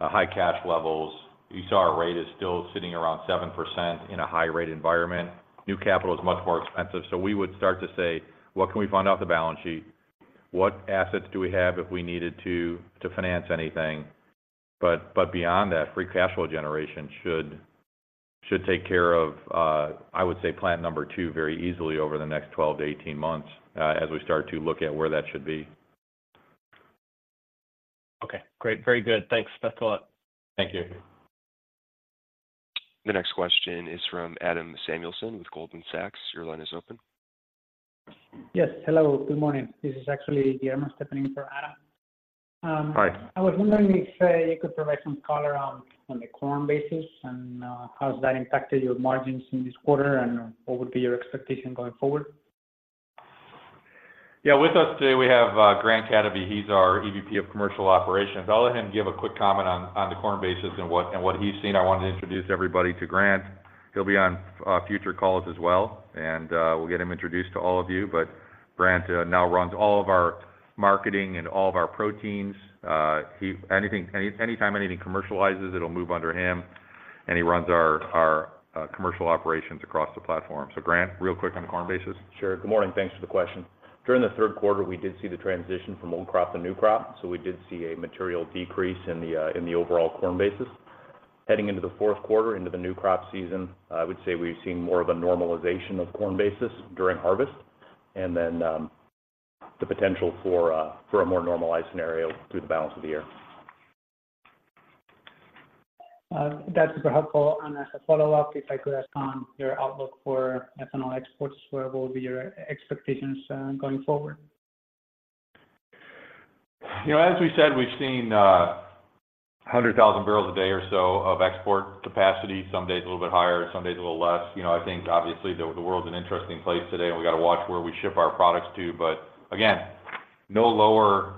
high cash levels. You saw our rate is still sitting around 7% in a high-rate environment. New capital is much more expensive. So we would start to say, "What can we fund off the balance sheet? What assets do we have if we needed to finance anything?" But beyond that, free cash flow generation should take care of, I would say plant number two very easily over the next 12-18 months, as we start to look at where that should be. Okay, great. Very good. Thanks, thanks a lot. Thank you. The next question is from Adam Samuelson with Goldman Sachs. Your line is open. Yes, hello, good morning. This is actually Guillermo stepping in for Adam. Hi. I was wondering if you could provide some color on the corn basis, and how has that impacted your margins in this quarter, and what would be your expectation going forward? Yeah. With us today, we have Grant Kadavy. He's our EVP of Commercial Operations. I'll let him give a quick comment on the corn basis and what he's seen. I want to introduce everybody to Grant. He'll be on future calls as well, and we'll get him introduced to all of you. But Grant now runs all of our marketing and all of our proteins. He anything anytime anything commercializes, it'll move under him, and he runs our commercial operations across the platform. So, Grant, real quick on the corn basis. Sure. Good morning. Thanks for the question. During the third quarter, we did see the transition from old crop to new crop, so we did see a material decrease in the, in the overall corn basis. Heading into the fourth quarter, into the new crop season, I would say we've seen more of a normalization of corn basis during harvest, and then, the potential for a, for a more normalized scenario through the balance of the year. That's super helpful. As a follow-up, if I could ask on your outlook for ethanol exports, where will be your expectations going forward? You know, as we said, we've seen 100,000 bbl a day or so of export capacity. Some days a little bit higher, some days a little less. You know, I think obviously the world's an interesting place today, and we got to watch where we ship our products to. But again, no lower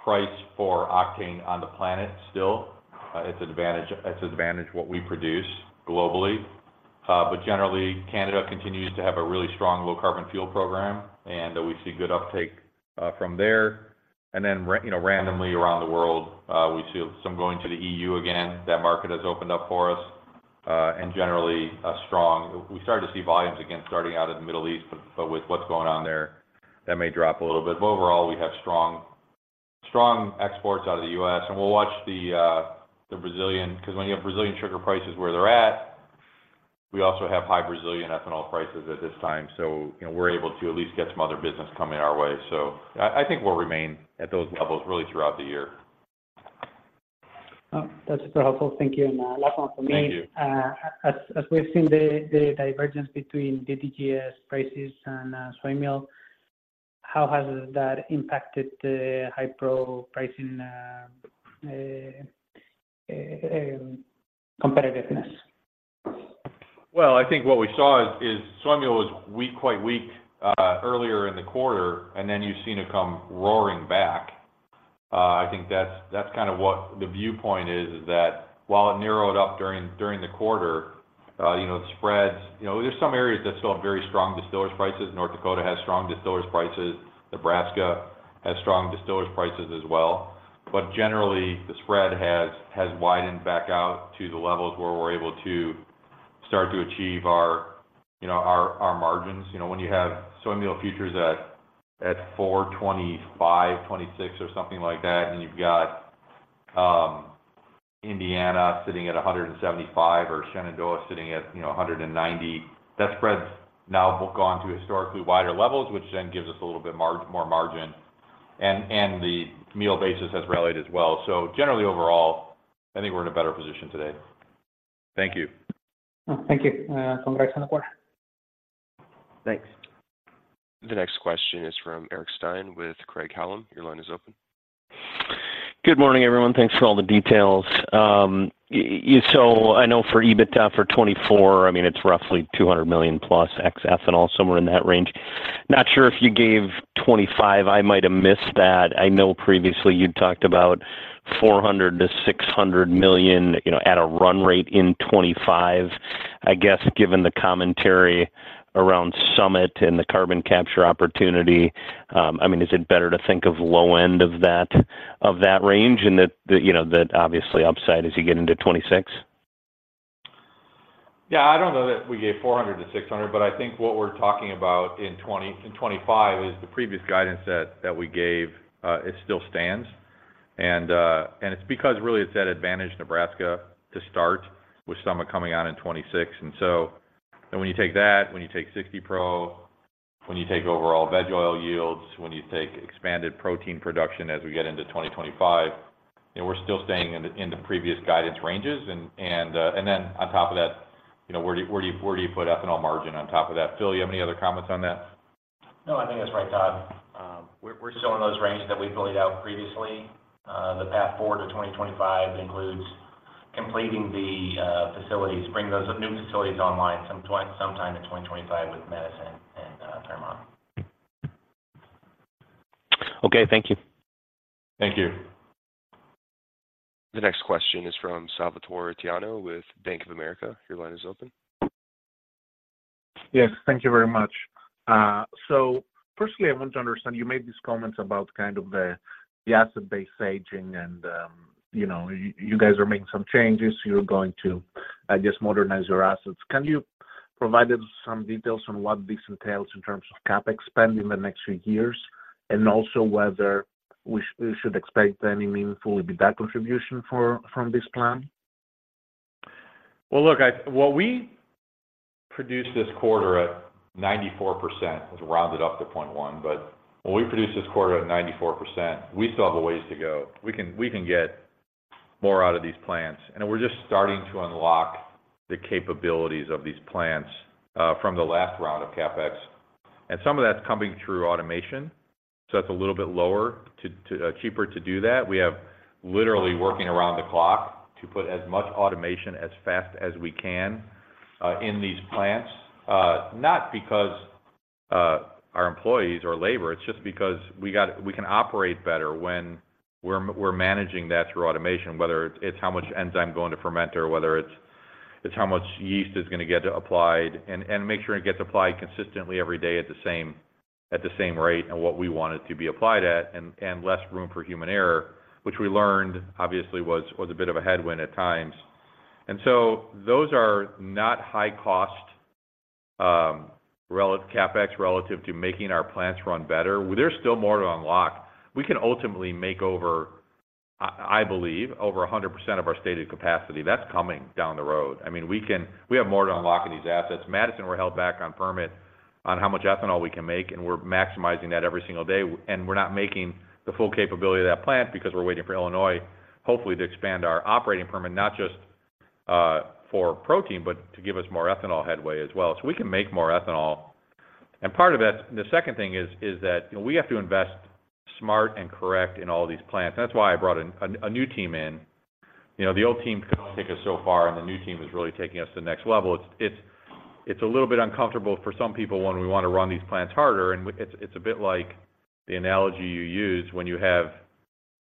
price for octane on the planet still. It's advantage, it's advantage what we produce globally. But generally, Canada continues to have a really strong low-carbon fuel program, and we see good uptake from there. And then randomly around the world, we see some going to the EU again. That market has opened up for us, and generally strong. We started to see volumes again starting out of the Middle East, but with what's going on there, that may drop a little bit. But overall, we have strong, strong exports out of the U.S., and we'll watch the Brazilian, 'cause when you have Brazilian sugar prices where they're at, we also have high Brazilian ethanol prices at this time. So, you know, we're able to at least get some other business coming our way. So I, I think we'll remain at those levels really throughout the year. That's super helpful. Thank you. And, last one from me. Thank you. As we've seen the divergence between DDGS prices and soy meal, how has that impacted the high pro pricing competitiveness? Well, I think what we saw is, is soy meal was weak, quite weak, earlier in the quarter, and then you've seen it come roaring back. I think that's, that's kind of what the viewpoint is, is that while it narrowed up during, during the quarter, you know, the spreads. You know, there's some areas that still have very strong distiller prices. North Dakota has strong distiller prices. Nebraska has strong distiller prices as well... but generally, the spread has widened back out to the levels where we're able to start to achieve our, you know, our, our margins. You know, when you have soy meal futures at, at $425-$426 or something like that, and you've got, Indiana sitting at $175 or Shenandoah sitting at, you know, $190, that spread's now gone to historically wider levels, which then gives us a little bit more margin, and the meal basis has rallied as well. So generally, overall, I think we're in a better position today. Thank you. Thank you. Congrats on the quarter. Thanks. The next question is from Eric Stine with Craig-Hallum. Your line is open. Good morning, everyone. Thanks for all the details. So I know for EBITDA for 2024, I mean, it's roughly $200 million plus X ethanol, somewhere in that range. Not sure if you gave 2025. I might have missed that. I know previously you'd talked about $400 million-$600 million, you know, at a run rate in 2025. I guess, given the commentary around Summit and the carbon capture opportunity, I mean, is it better to think of low end of that, of that range and that, the, you know, that obviously upside as you get into 2026? Yeah, I don't know that we gave 400-600, but I think what we're talking about in 2025 is the previous guidance that we gave. It still stands. And it's because really it's at advantage Nebraska to start with Summit coming out in 2026. And so, and when you take that, when you take 60 Pro, when you take overall veg oil yields, when you take expanded protein production as we get into 2025, and we're still staying in the previous guidance ranges. And then on top of that, you know, where do you, where do you, where do you put ethanol margin on top of that? Phil, you have any other comments on that? No, I think that's right, Todd. We're still in those ranges that we've laid out previously. The path forward to 2025 includes completing the facilities, bringing those new facilities online sometime in 2025 with Madison and Fairmont. Okay, thank you. Thank you. The next question is from Salvatore Tiano with Bank of America. Your line is open. Yes, thank you very much. So firstly, I want to understand, you made these comments about kind of the, the asset-based aging and, you know, you guys are making some changes. You're going to just modernize your assets. Can you provide us some details on what this entails in terms of CapEx spend in the next few years, and also whether we should expect any meaningful EBITDA contribution from this plan? Well, look, while we produced this quarter at 94%, it's rounded up to 0.1, but when we produced this quarter at 94%, we still have a ways to go. We can, we can get more out of these plants, and we're just starting to unlock the capabilities of these plants, from the last round of CapEx, and some of that's coming through automation, so it's a little bit lower to cheaper to do that. We have literally working around the clock to put as much automation as fast as we can, in these plants. Not because our employees or labor, it's just because we can operate better when we're managing that through automation, whether it's how much enzyme going to ferment or whether it's how much yeast is gonna get applied, and make sure it gets applied consistently every day at the same rate, and what we want it to be applied at, and less room for human error, which we learned, obviously, was a bit of a headwind at times. And so those are not high cost CapEx relative to making our plants run better. Well, there's still more to unlock. We can ultimately make over, I believe, over 100% of our stated capacity. That's coming down the road. I mean, we have more to unlock in these assets. Madison were held back on permit on how much ethanol we can make, and we're maximizing that every single day, and we're not making the full capability of that plant because we're waiting for Illinois, hopefully, to expand our operating permit, not just for protein, but to give us more ethanol headway as well. So we can make more ethanol. And part of it, the second thing is that, you know, we have to invest smart and correct in all these plants. That's why I brought in a new team. You know, the old team could only take us so far, and the new team is really taking us to the next level. It's a little bit uncomfortable for some people when we want to run these plants harder, and it's a bit like the analogy you use when you have...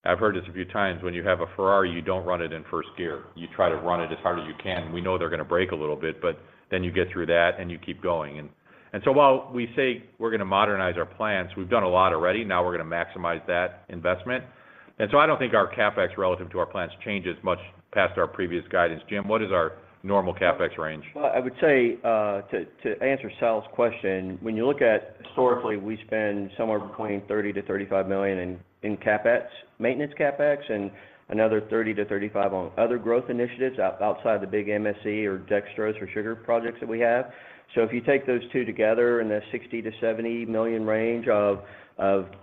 I've heard this a few times, when you have a Ferrari, you don't run it in first gear. You try to run it as hard as you can. We know they're gonna break a little bit, but then you get through that, and you keep going. And, and so while we say we're gonna modernize our plants, we've done a lot already. Now we're gonna maximize that investment. And so I don't think our CapEx relative to our plants changes much past our previous guidance. Jim, what is our normal CapEx range? Well, I would say to answer Sal's question, when you look at historically, we spend somewhere between $30-$35 million in CapEx, maintenance CapEx, and another $30-$35 million on other growth initiatives outside the big MSC or dextrose or sugar projects that we have. So if you take those two together in the $60-$70 million range of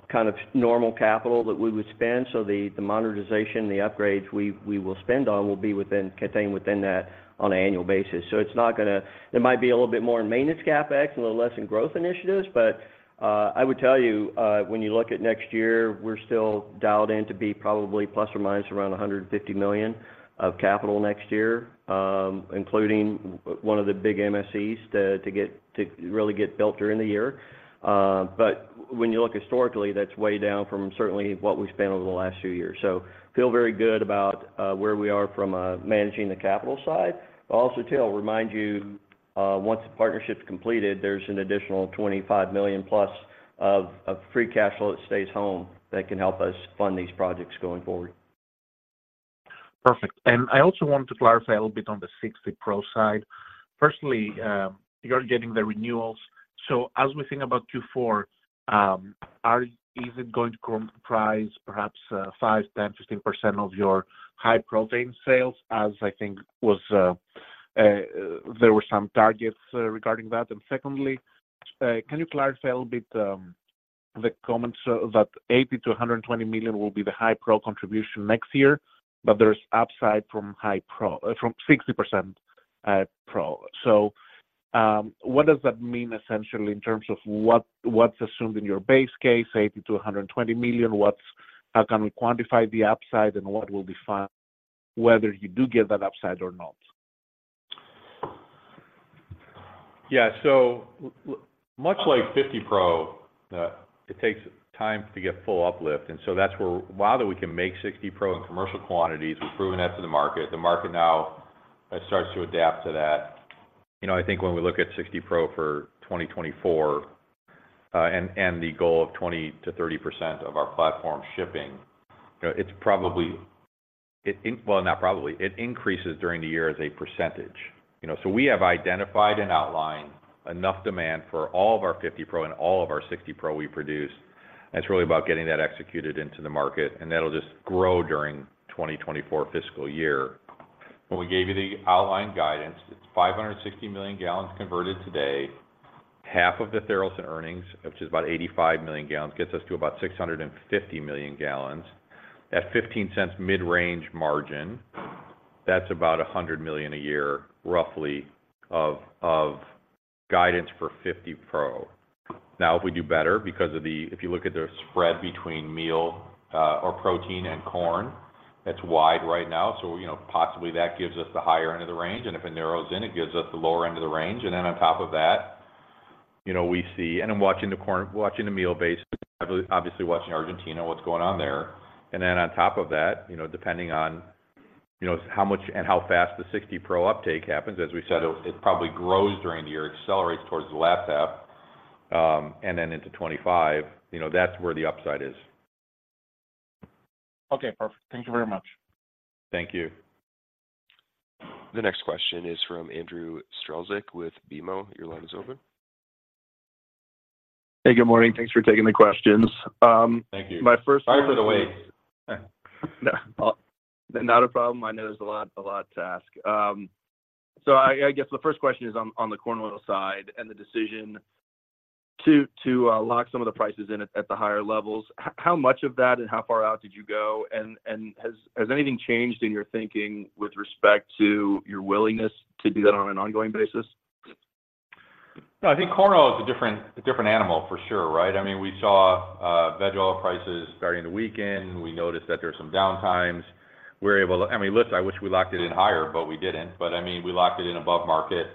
kind of normal capital that we would spend, so the monetization, the upgrades we will spend on will be contained within that on an annual basis. So it's not gonna. It might be a little bit more in maintenance CapEx, and a little less in growth initiatives, but I would tell you, when you look at next year, we're still dialed in to be probably plus or minus around $150 million of capital next year, including one of the big MSCs to really get built during the year. But when you look historically, that's way down from certainly what we've spent over the last few years. So feel very good about where we are from managing the capital side. But also, too, I'll remind you-... once the partnership's completed, there's an additional $25 million plus of free cash flow that stays home that can help us fund these projects going forward. Perfect. And I also want to clarify a little bit on the 60 Pro side. Firstly, you are getting the renewals, so as we think about Q4, is it going to comprise perhaps 5%, 10%, 15% of your high-protein sales, as I think was, there were some targets regarding that? And secondly, can you clarify a little bit, the comments that $80 million-$120 million will be the high pro contribution next year, but there's upside from high pro from 60% pro. So, what does that mean essentially, in terms of what, what's assumed in your base case, $80 million-$120 million? What's-- How can we quantify the upside, and what will be found whether you do get that upside or not? Yeah. So, much like 50 Pro, it takes time to get full uplift, and so that's where—while that we can make 60 Pro in commercial quantities, we've proven that to the market. The market now starts to adapt to that. You know, I think when we look at 60 Pro for 2024, and the goal of 20%-30% of our platform shipping, you know, it's probably—well, not probably, it increases during the year as a percentage. You know, so we have identified and outlined enough demand for all of our 50 Pro and all of our 60 Pro we produce, and it's really about getting that executed into the market, and that'll just grow during 2024 fiscal year. When we gave you the outlined guidance, it's 560 million gals converted today. Half of the Tharaldson earnings, which is about 85 million gals, gets us to about 650 million gals. At $0.15 mid-range margin, that's about $100 million a year, roughly, of guidance for 50 Pro. Now, if we do better because of the—if you look at the spread between meal or protein and corn, that's wide right now, so, you know, possibly that gives us the higher end of the range, and if it narrows in, it gives us the lower end of the range. And then on top of that, you know, we see... And I'm watching the corn, watching the meal basis, obviously watching Argentina, what's going on there. And then on top of that, you know, depending on, you know, how much and how fast the 60 Pro uptake happens, as we said, it, it probably grows during the year, accelerates towards the last half, and then into 25. You know, that's where the upside is. Okay, perfect. Thank you very much. Thank you. The next question is from Andrew Strelzik with BMO. Your line is open. Hey, good morning. Thanks for taking the questions. Thank you. My first one- Sorry for the wait. No, not a problem. I know there's a lot, a lot to ask. So I guess the first question is on the corn oil side and the decision to lock some of the prices in at the higher levels. How much of that and how far out did you go? And has anything changed in your thinking with respect to your willingness to do that on an ongoing basis? No, I think corn oil is a different, a different animal for sure, right? I mean, we saw veg oil prices vary over the weekend. We noticed that there are some downtimes. We're able to—I mean, listen, I wish we locked it in higher, but we didn't. But I mean, we locked it in above market,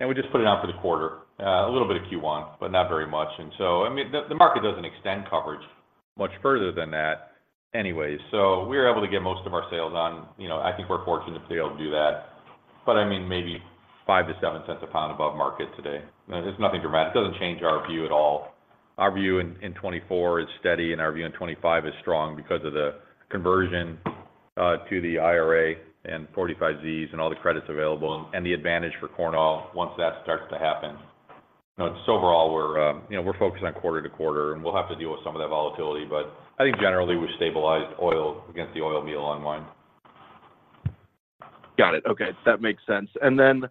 and we just put it out for the quarter. A little bit of Q1, but not very much. And so, I mean, the market doesn't extend coverage much further than that anyways, so we're able to get most of our sales on... You know, I think we're fortunate to be able to do that, but I mean, maybe $0.05-$0.07 a pound above market today. It's nothing dramatic. It doesn't change our view at all. Our view in 2024 is steady, and our view in 2025 is strong because of the conversion to the IRA and 45Zs and all the credits available, and the advantage for corn oil once that starts to happen. Now, just overall we're, you know, we're focused on quarter to quarter, and we'll have to deal with some of that volatility, but I think generally, we stabilized oil against the oil meal on one. Got it. Okay, that makes sense. And then,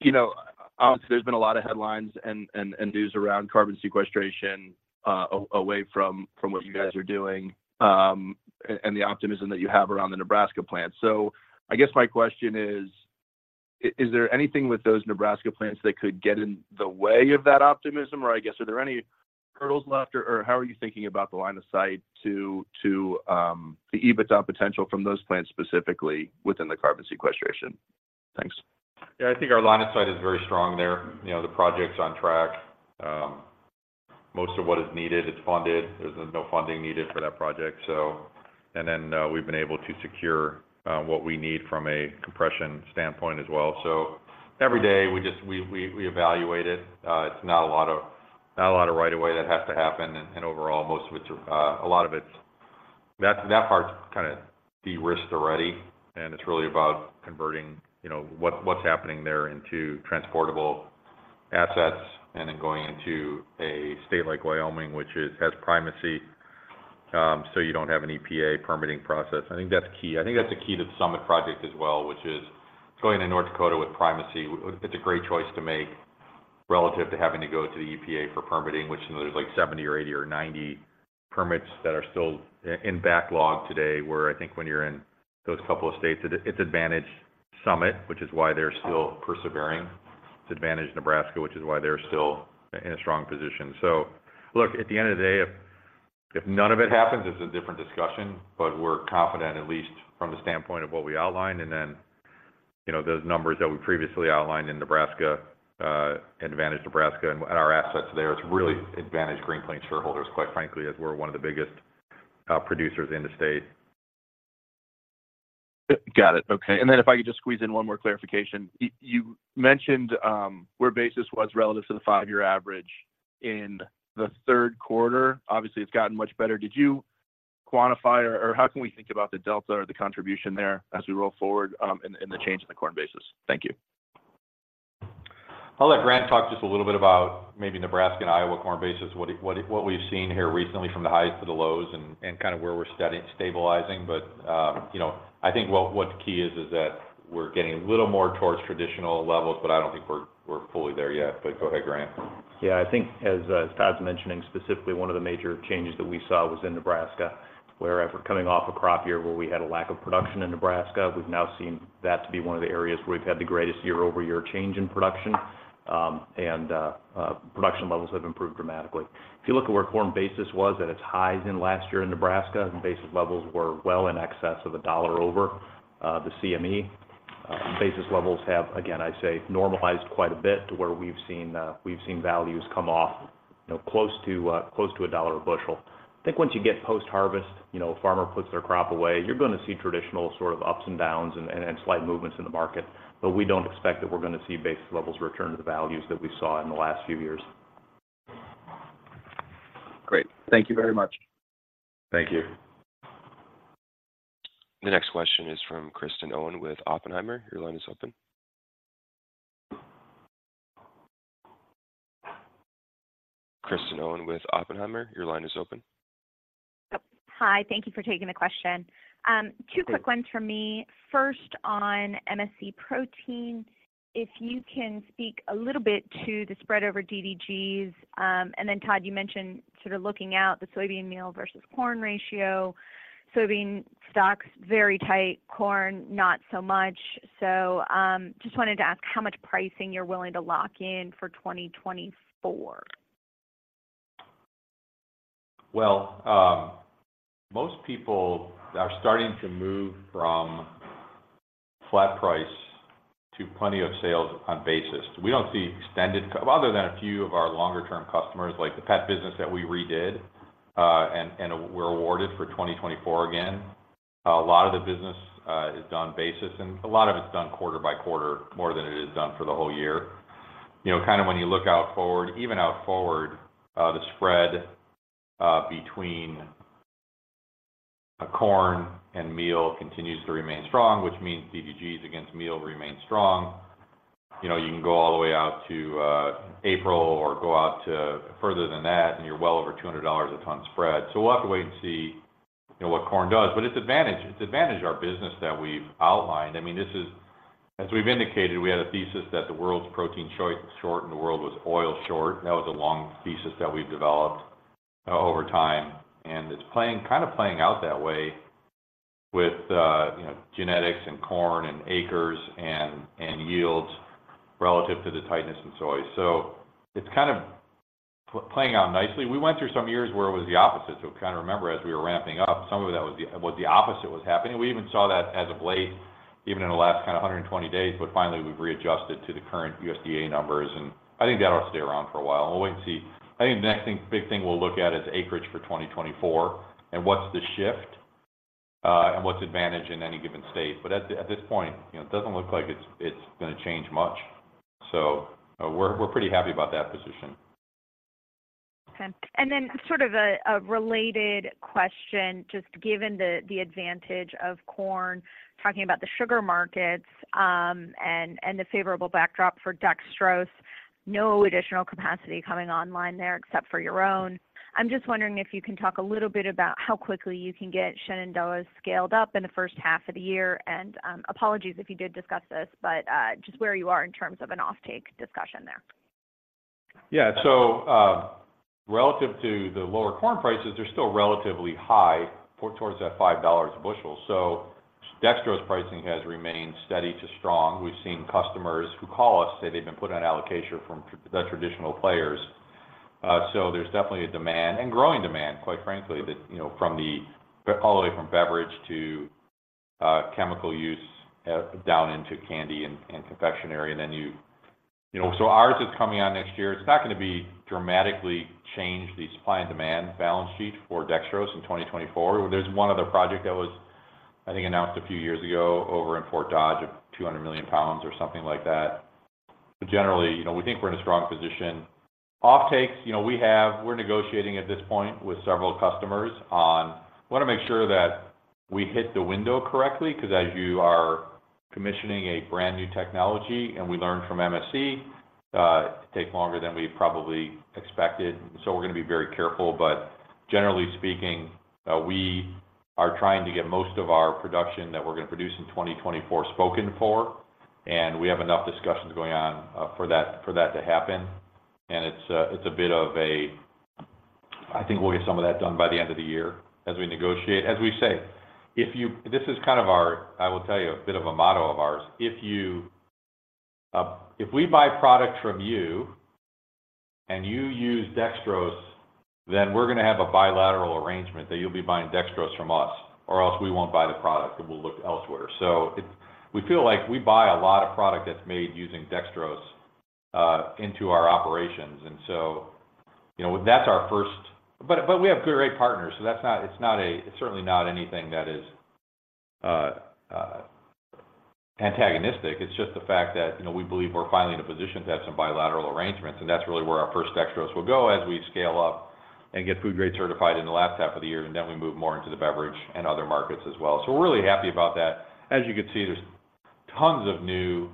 you know, obviously, there's been a lot of headlines and news around carbon sequestration, away from what you guys are doing, and the optimism that you have around the Nebraska plant. So I guess my question is: Is there anything with those Nebraska plants that could get in the way of that optimism, or I guess, are there any hurdles left, or how are you thinking about the line of sight to the EBITDA potential from those plants, specifically within the carbon sequestration? Thanks. Yeah, I think our line of sight is very strong there. You know, the project's on track. Most of what is needed, it's funded. There's no funding needed for that project, so... And then, we've been able to secure what we need from a compression standpoint as well. So every day, we evaluate it. It's not a lot of right of way that has to happen, and overall, most of it, a lot of it's... That part's kinda de-risked already, and it's really about converting, you know, what's happening there into transportable assets and then going into a state like Wyoming, which has primacy, so you don't have an EPA permitting process. I think that's key. I think that's a key to the Summit Project as well, which is going to North Dakota with primacy. It's a great choice to make relative to having to go to the EPA for permitting, which, you know, there's, like, 70 or 80 or 90 permits that are still in backlog today, where I think when you're in those couple of states, it, it's advantage Summit, which is why they're still persevering. It's advantage Nebraska, which is why they're still in a strong position. So look, at the end of the day, if none of it happens, it's a different discussion, but we're confident, at least from the standpoint of what we outlined, and then, you know, those numbers that we previously outlined in Nebraska, advantage Nebraska and our assets there, it's really advantage Green Plains shareholders, quite frankly, as we're one of the biggest producers in the state.... Got it. Okay, and then if I could just squeeze in one more clarification. You mentioned where basis was relative to the five-year average in the third quarter. Obviously, it's gotten much better. Did you quantify or how can we think about the delta or the contribution there as we roll forward, in the change in the corn basis? Thank you. I'll let Grant talk just a little bit about maybe Nebraska and Iowa corn basis, what we've seen here recently from the highs to the lows, and kind of where we're stabilizing. But, you know, I think what the key is is that we're getting a little more towards traditional levels, but I don't think we're fully there yet. But go ahead, Grant. Yeah, I think as as Todd's mentioning, specifically, one of the major changes that we saw was in Nebraska, where after coming off a crop year where we had a lack of production in Nebraska, we've now seen that to be one of the areas where we've had the greatest year-over-year change in production. Production levels have improved dramatically. If you look at where corn basis was at its highs in last year in Nebraska, and basis levels were well in excess of $1 over the CME, basis levels have, again, I'd say normalized quite a bit to where we've seen we've seen values come off, you know, close to, close to $1 a bushel. I think once you get post-harvest, you know, a farmer puts their crop away, you're gonna see traditional sort of ups and downs and slight movements in the market, but we don't expect that we're gonna see basis levels return to the values that we saw in the last few years. Great. Thank you very much. Thank you. The next question is from Kristen Owen with Oppenheimer. Your line is open. Kristen Owen with Oppenheimer, your line is open. Oh, hi. Thank you for taking the question. Two- Sure... quick ones from me. First, on MSC protein, if you can speak a little bit to the spread over DDGs? And then Todd, you mentioned sort of looking out the soybean meal versus corn ratio, soybean stocks, very tight, corn, not so much. So, just wanted to ask how much pricing you're willing to lock in for 2024? Well, most people are starting to move from flat price to plenty of sales on basis. We don't see extended, other than a few of our longer-term customers, like the pet business that we redid, and we're awarded for 2024 again. A lot of the business is done basis, and a lot of it's done quarter by quarter, more than it is done for the whole year. You know, kind of when you look out forward, even out forward, the spread between a corn and meal continues to remain strong, which means DDGs against meal remain strong. You know, you can go all the way out to April or go out to further than that, and you're well over $200 a ton spread. So we'll have to wait and see, you know, what corn does. But it's advantage, it's advantaged our business that we've outlined. I mean, this is. As we've indicated, we had a thesis that the world's protein short, and the world was oil short. That was a long thesis that we've developed over time, and it's kind of playing out that way with, you know, genetics and corn and acres and yields relative to the tightness in soy. So it's kind of playing out nicely. We went through some years where it was the opposite. So kind of remember as we were ramping up, some of that was the opposite was happening. We even saw that as of late, even in the last kind of 120 days, but finally, we've readjusted to the current USDA numbers, and I think that'll stay around for a while. We'll wait and see. I think the next thing, big thing we'll look at is acreage for 2024, and what's the shift, and what's advantage in any given state. But at, at this point, you know, it doesn't look like it's, it's gonna change much. So we're, we're pretty happy about that position. Okay. And then sort of a related question, just given the advantage of corn, talking about the sugar markets, and the favorable backdrop for dextrose, no additional capacity coming online there except for your own. I'm just wondering if you can talk a little bit about how quickly you can get Shenandoah scaled up in the first half of the year, and apologies if you did discuss this, but just where you are in terms of an offtake discussion there. Yeah. So, relative to the lower corn prices, they're still relatively high towards that $5 a bushel. So dextrose pricing has remained steady to strong. We've seen customers who call us say they've been put on allocation from the traditional players. So there's definitely a demand, and growing demand, quite frankly, that, you know, from the all the way from beverage to chemical use down into candy and confectionery, and then you know, so ours is coming on next year. It's not gonna be dramatically change the supply and demand balance sheet for dextrose in 2024. There's one other project that was, I think, announced a few years ago over in Fort Dodge, of 200 million lbs or something like that. But generally, you know, we think we're in a strong position. Offtakes, you know, we have we're negotiating at this point with several customers on. We wanna make sure that we hit the window correctly, because as you are commissioning a brand-new technology, and we learned from MSC, it take longer than we probably expected, so we're gonna be very careful. But generally speaking, we are trying to get most of our production that we're gonna produce in 2024 spoken for, and we have enough discussions going on, for that, for that to happen. And it's, it's a bit of a I think we'll get some of that done by the end of the year as we negotiate. As we say, if you, this is kind of our, I will tell you, a bit of a motto of ours: If you, if we buy product from you, and you use dextrose, then we're gonna have a bilateral arrangement that you'll be buying dextrose from us, or else we won't buy the product, and we'll look elsewhere. So it, we feel like we buy a lot of product that's made using dextrose into our operations, and so, you know, that's our first. But we have good trade partners, so that's not, it's not a, it's certainly not anything that is antagonistic. It's just the fact that, you know, we believe we're finally in a position to have some bilateral arrangements, and that's really where our first dextrose will go as we scale up and get food grade certified in the last half of the year, and then we move more into the beverage and other markets as well. So we're really happy about that. As you can see, there's tons of new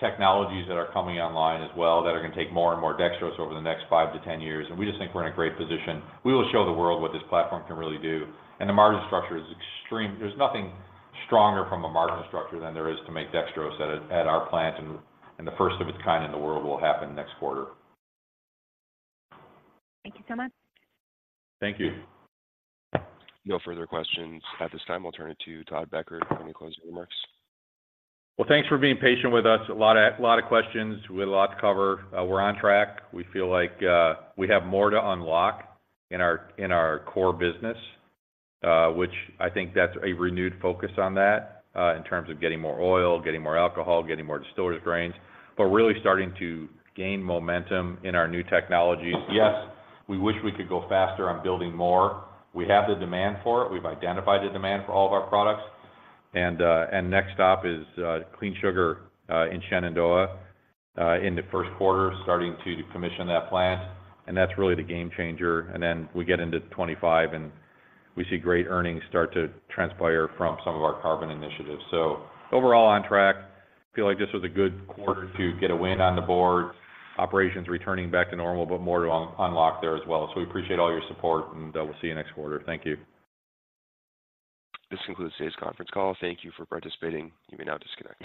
technologies that are coming online as well, that are going to take more and more dextrose over the next five-10 years, and we just think we're in a great position. We will show the world what this platform can really do, and the margin structure is extreme. There's nothing stronger from a margin structure than there is to make dextrose at our plant, and the first of its kind in the world will happen next quarter. Thank you so much. Thank you. No further questions at this time. We'll turn it to Todd Becker for any closing remarks. Well, thanks for being patient with us. A lot of, lot of questions. We had a lot to cover. We're on track. We feel like, we have more to unlock in our, in our core business, which I think that's a renewed focus on that, in terms of getting more oil, getting more alcohol, getting more distillers grains, but really starting to gain momentum in our new technologies. Yes, we wish we could go faster on building more. We have the demand for it. We've identified the demand for all of our products, and, and next stop is, Clean Sugar, in Shenandoah, in the first quarter, starting to commission that plant, and that's really the game changer. And then we get into 2025, and we see great earnings start to transpire from some of our carbon initiatives. So overall on track. Feel like this was a good quarter to get a win on the board. Operations returning back to normal, but more to unlock there as well. So we appreciate all your support, and we'll see you next quarter. Thank you. This concludes today's conference call. Thank you for participating. You may now disconnect.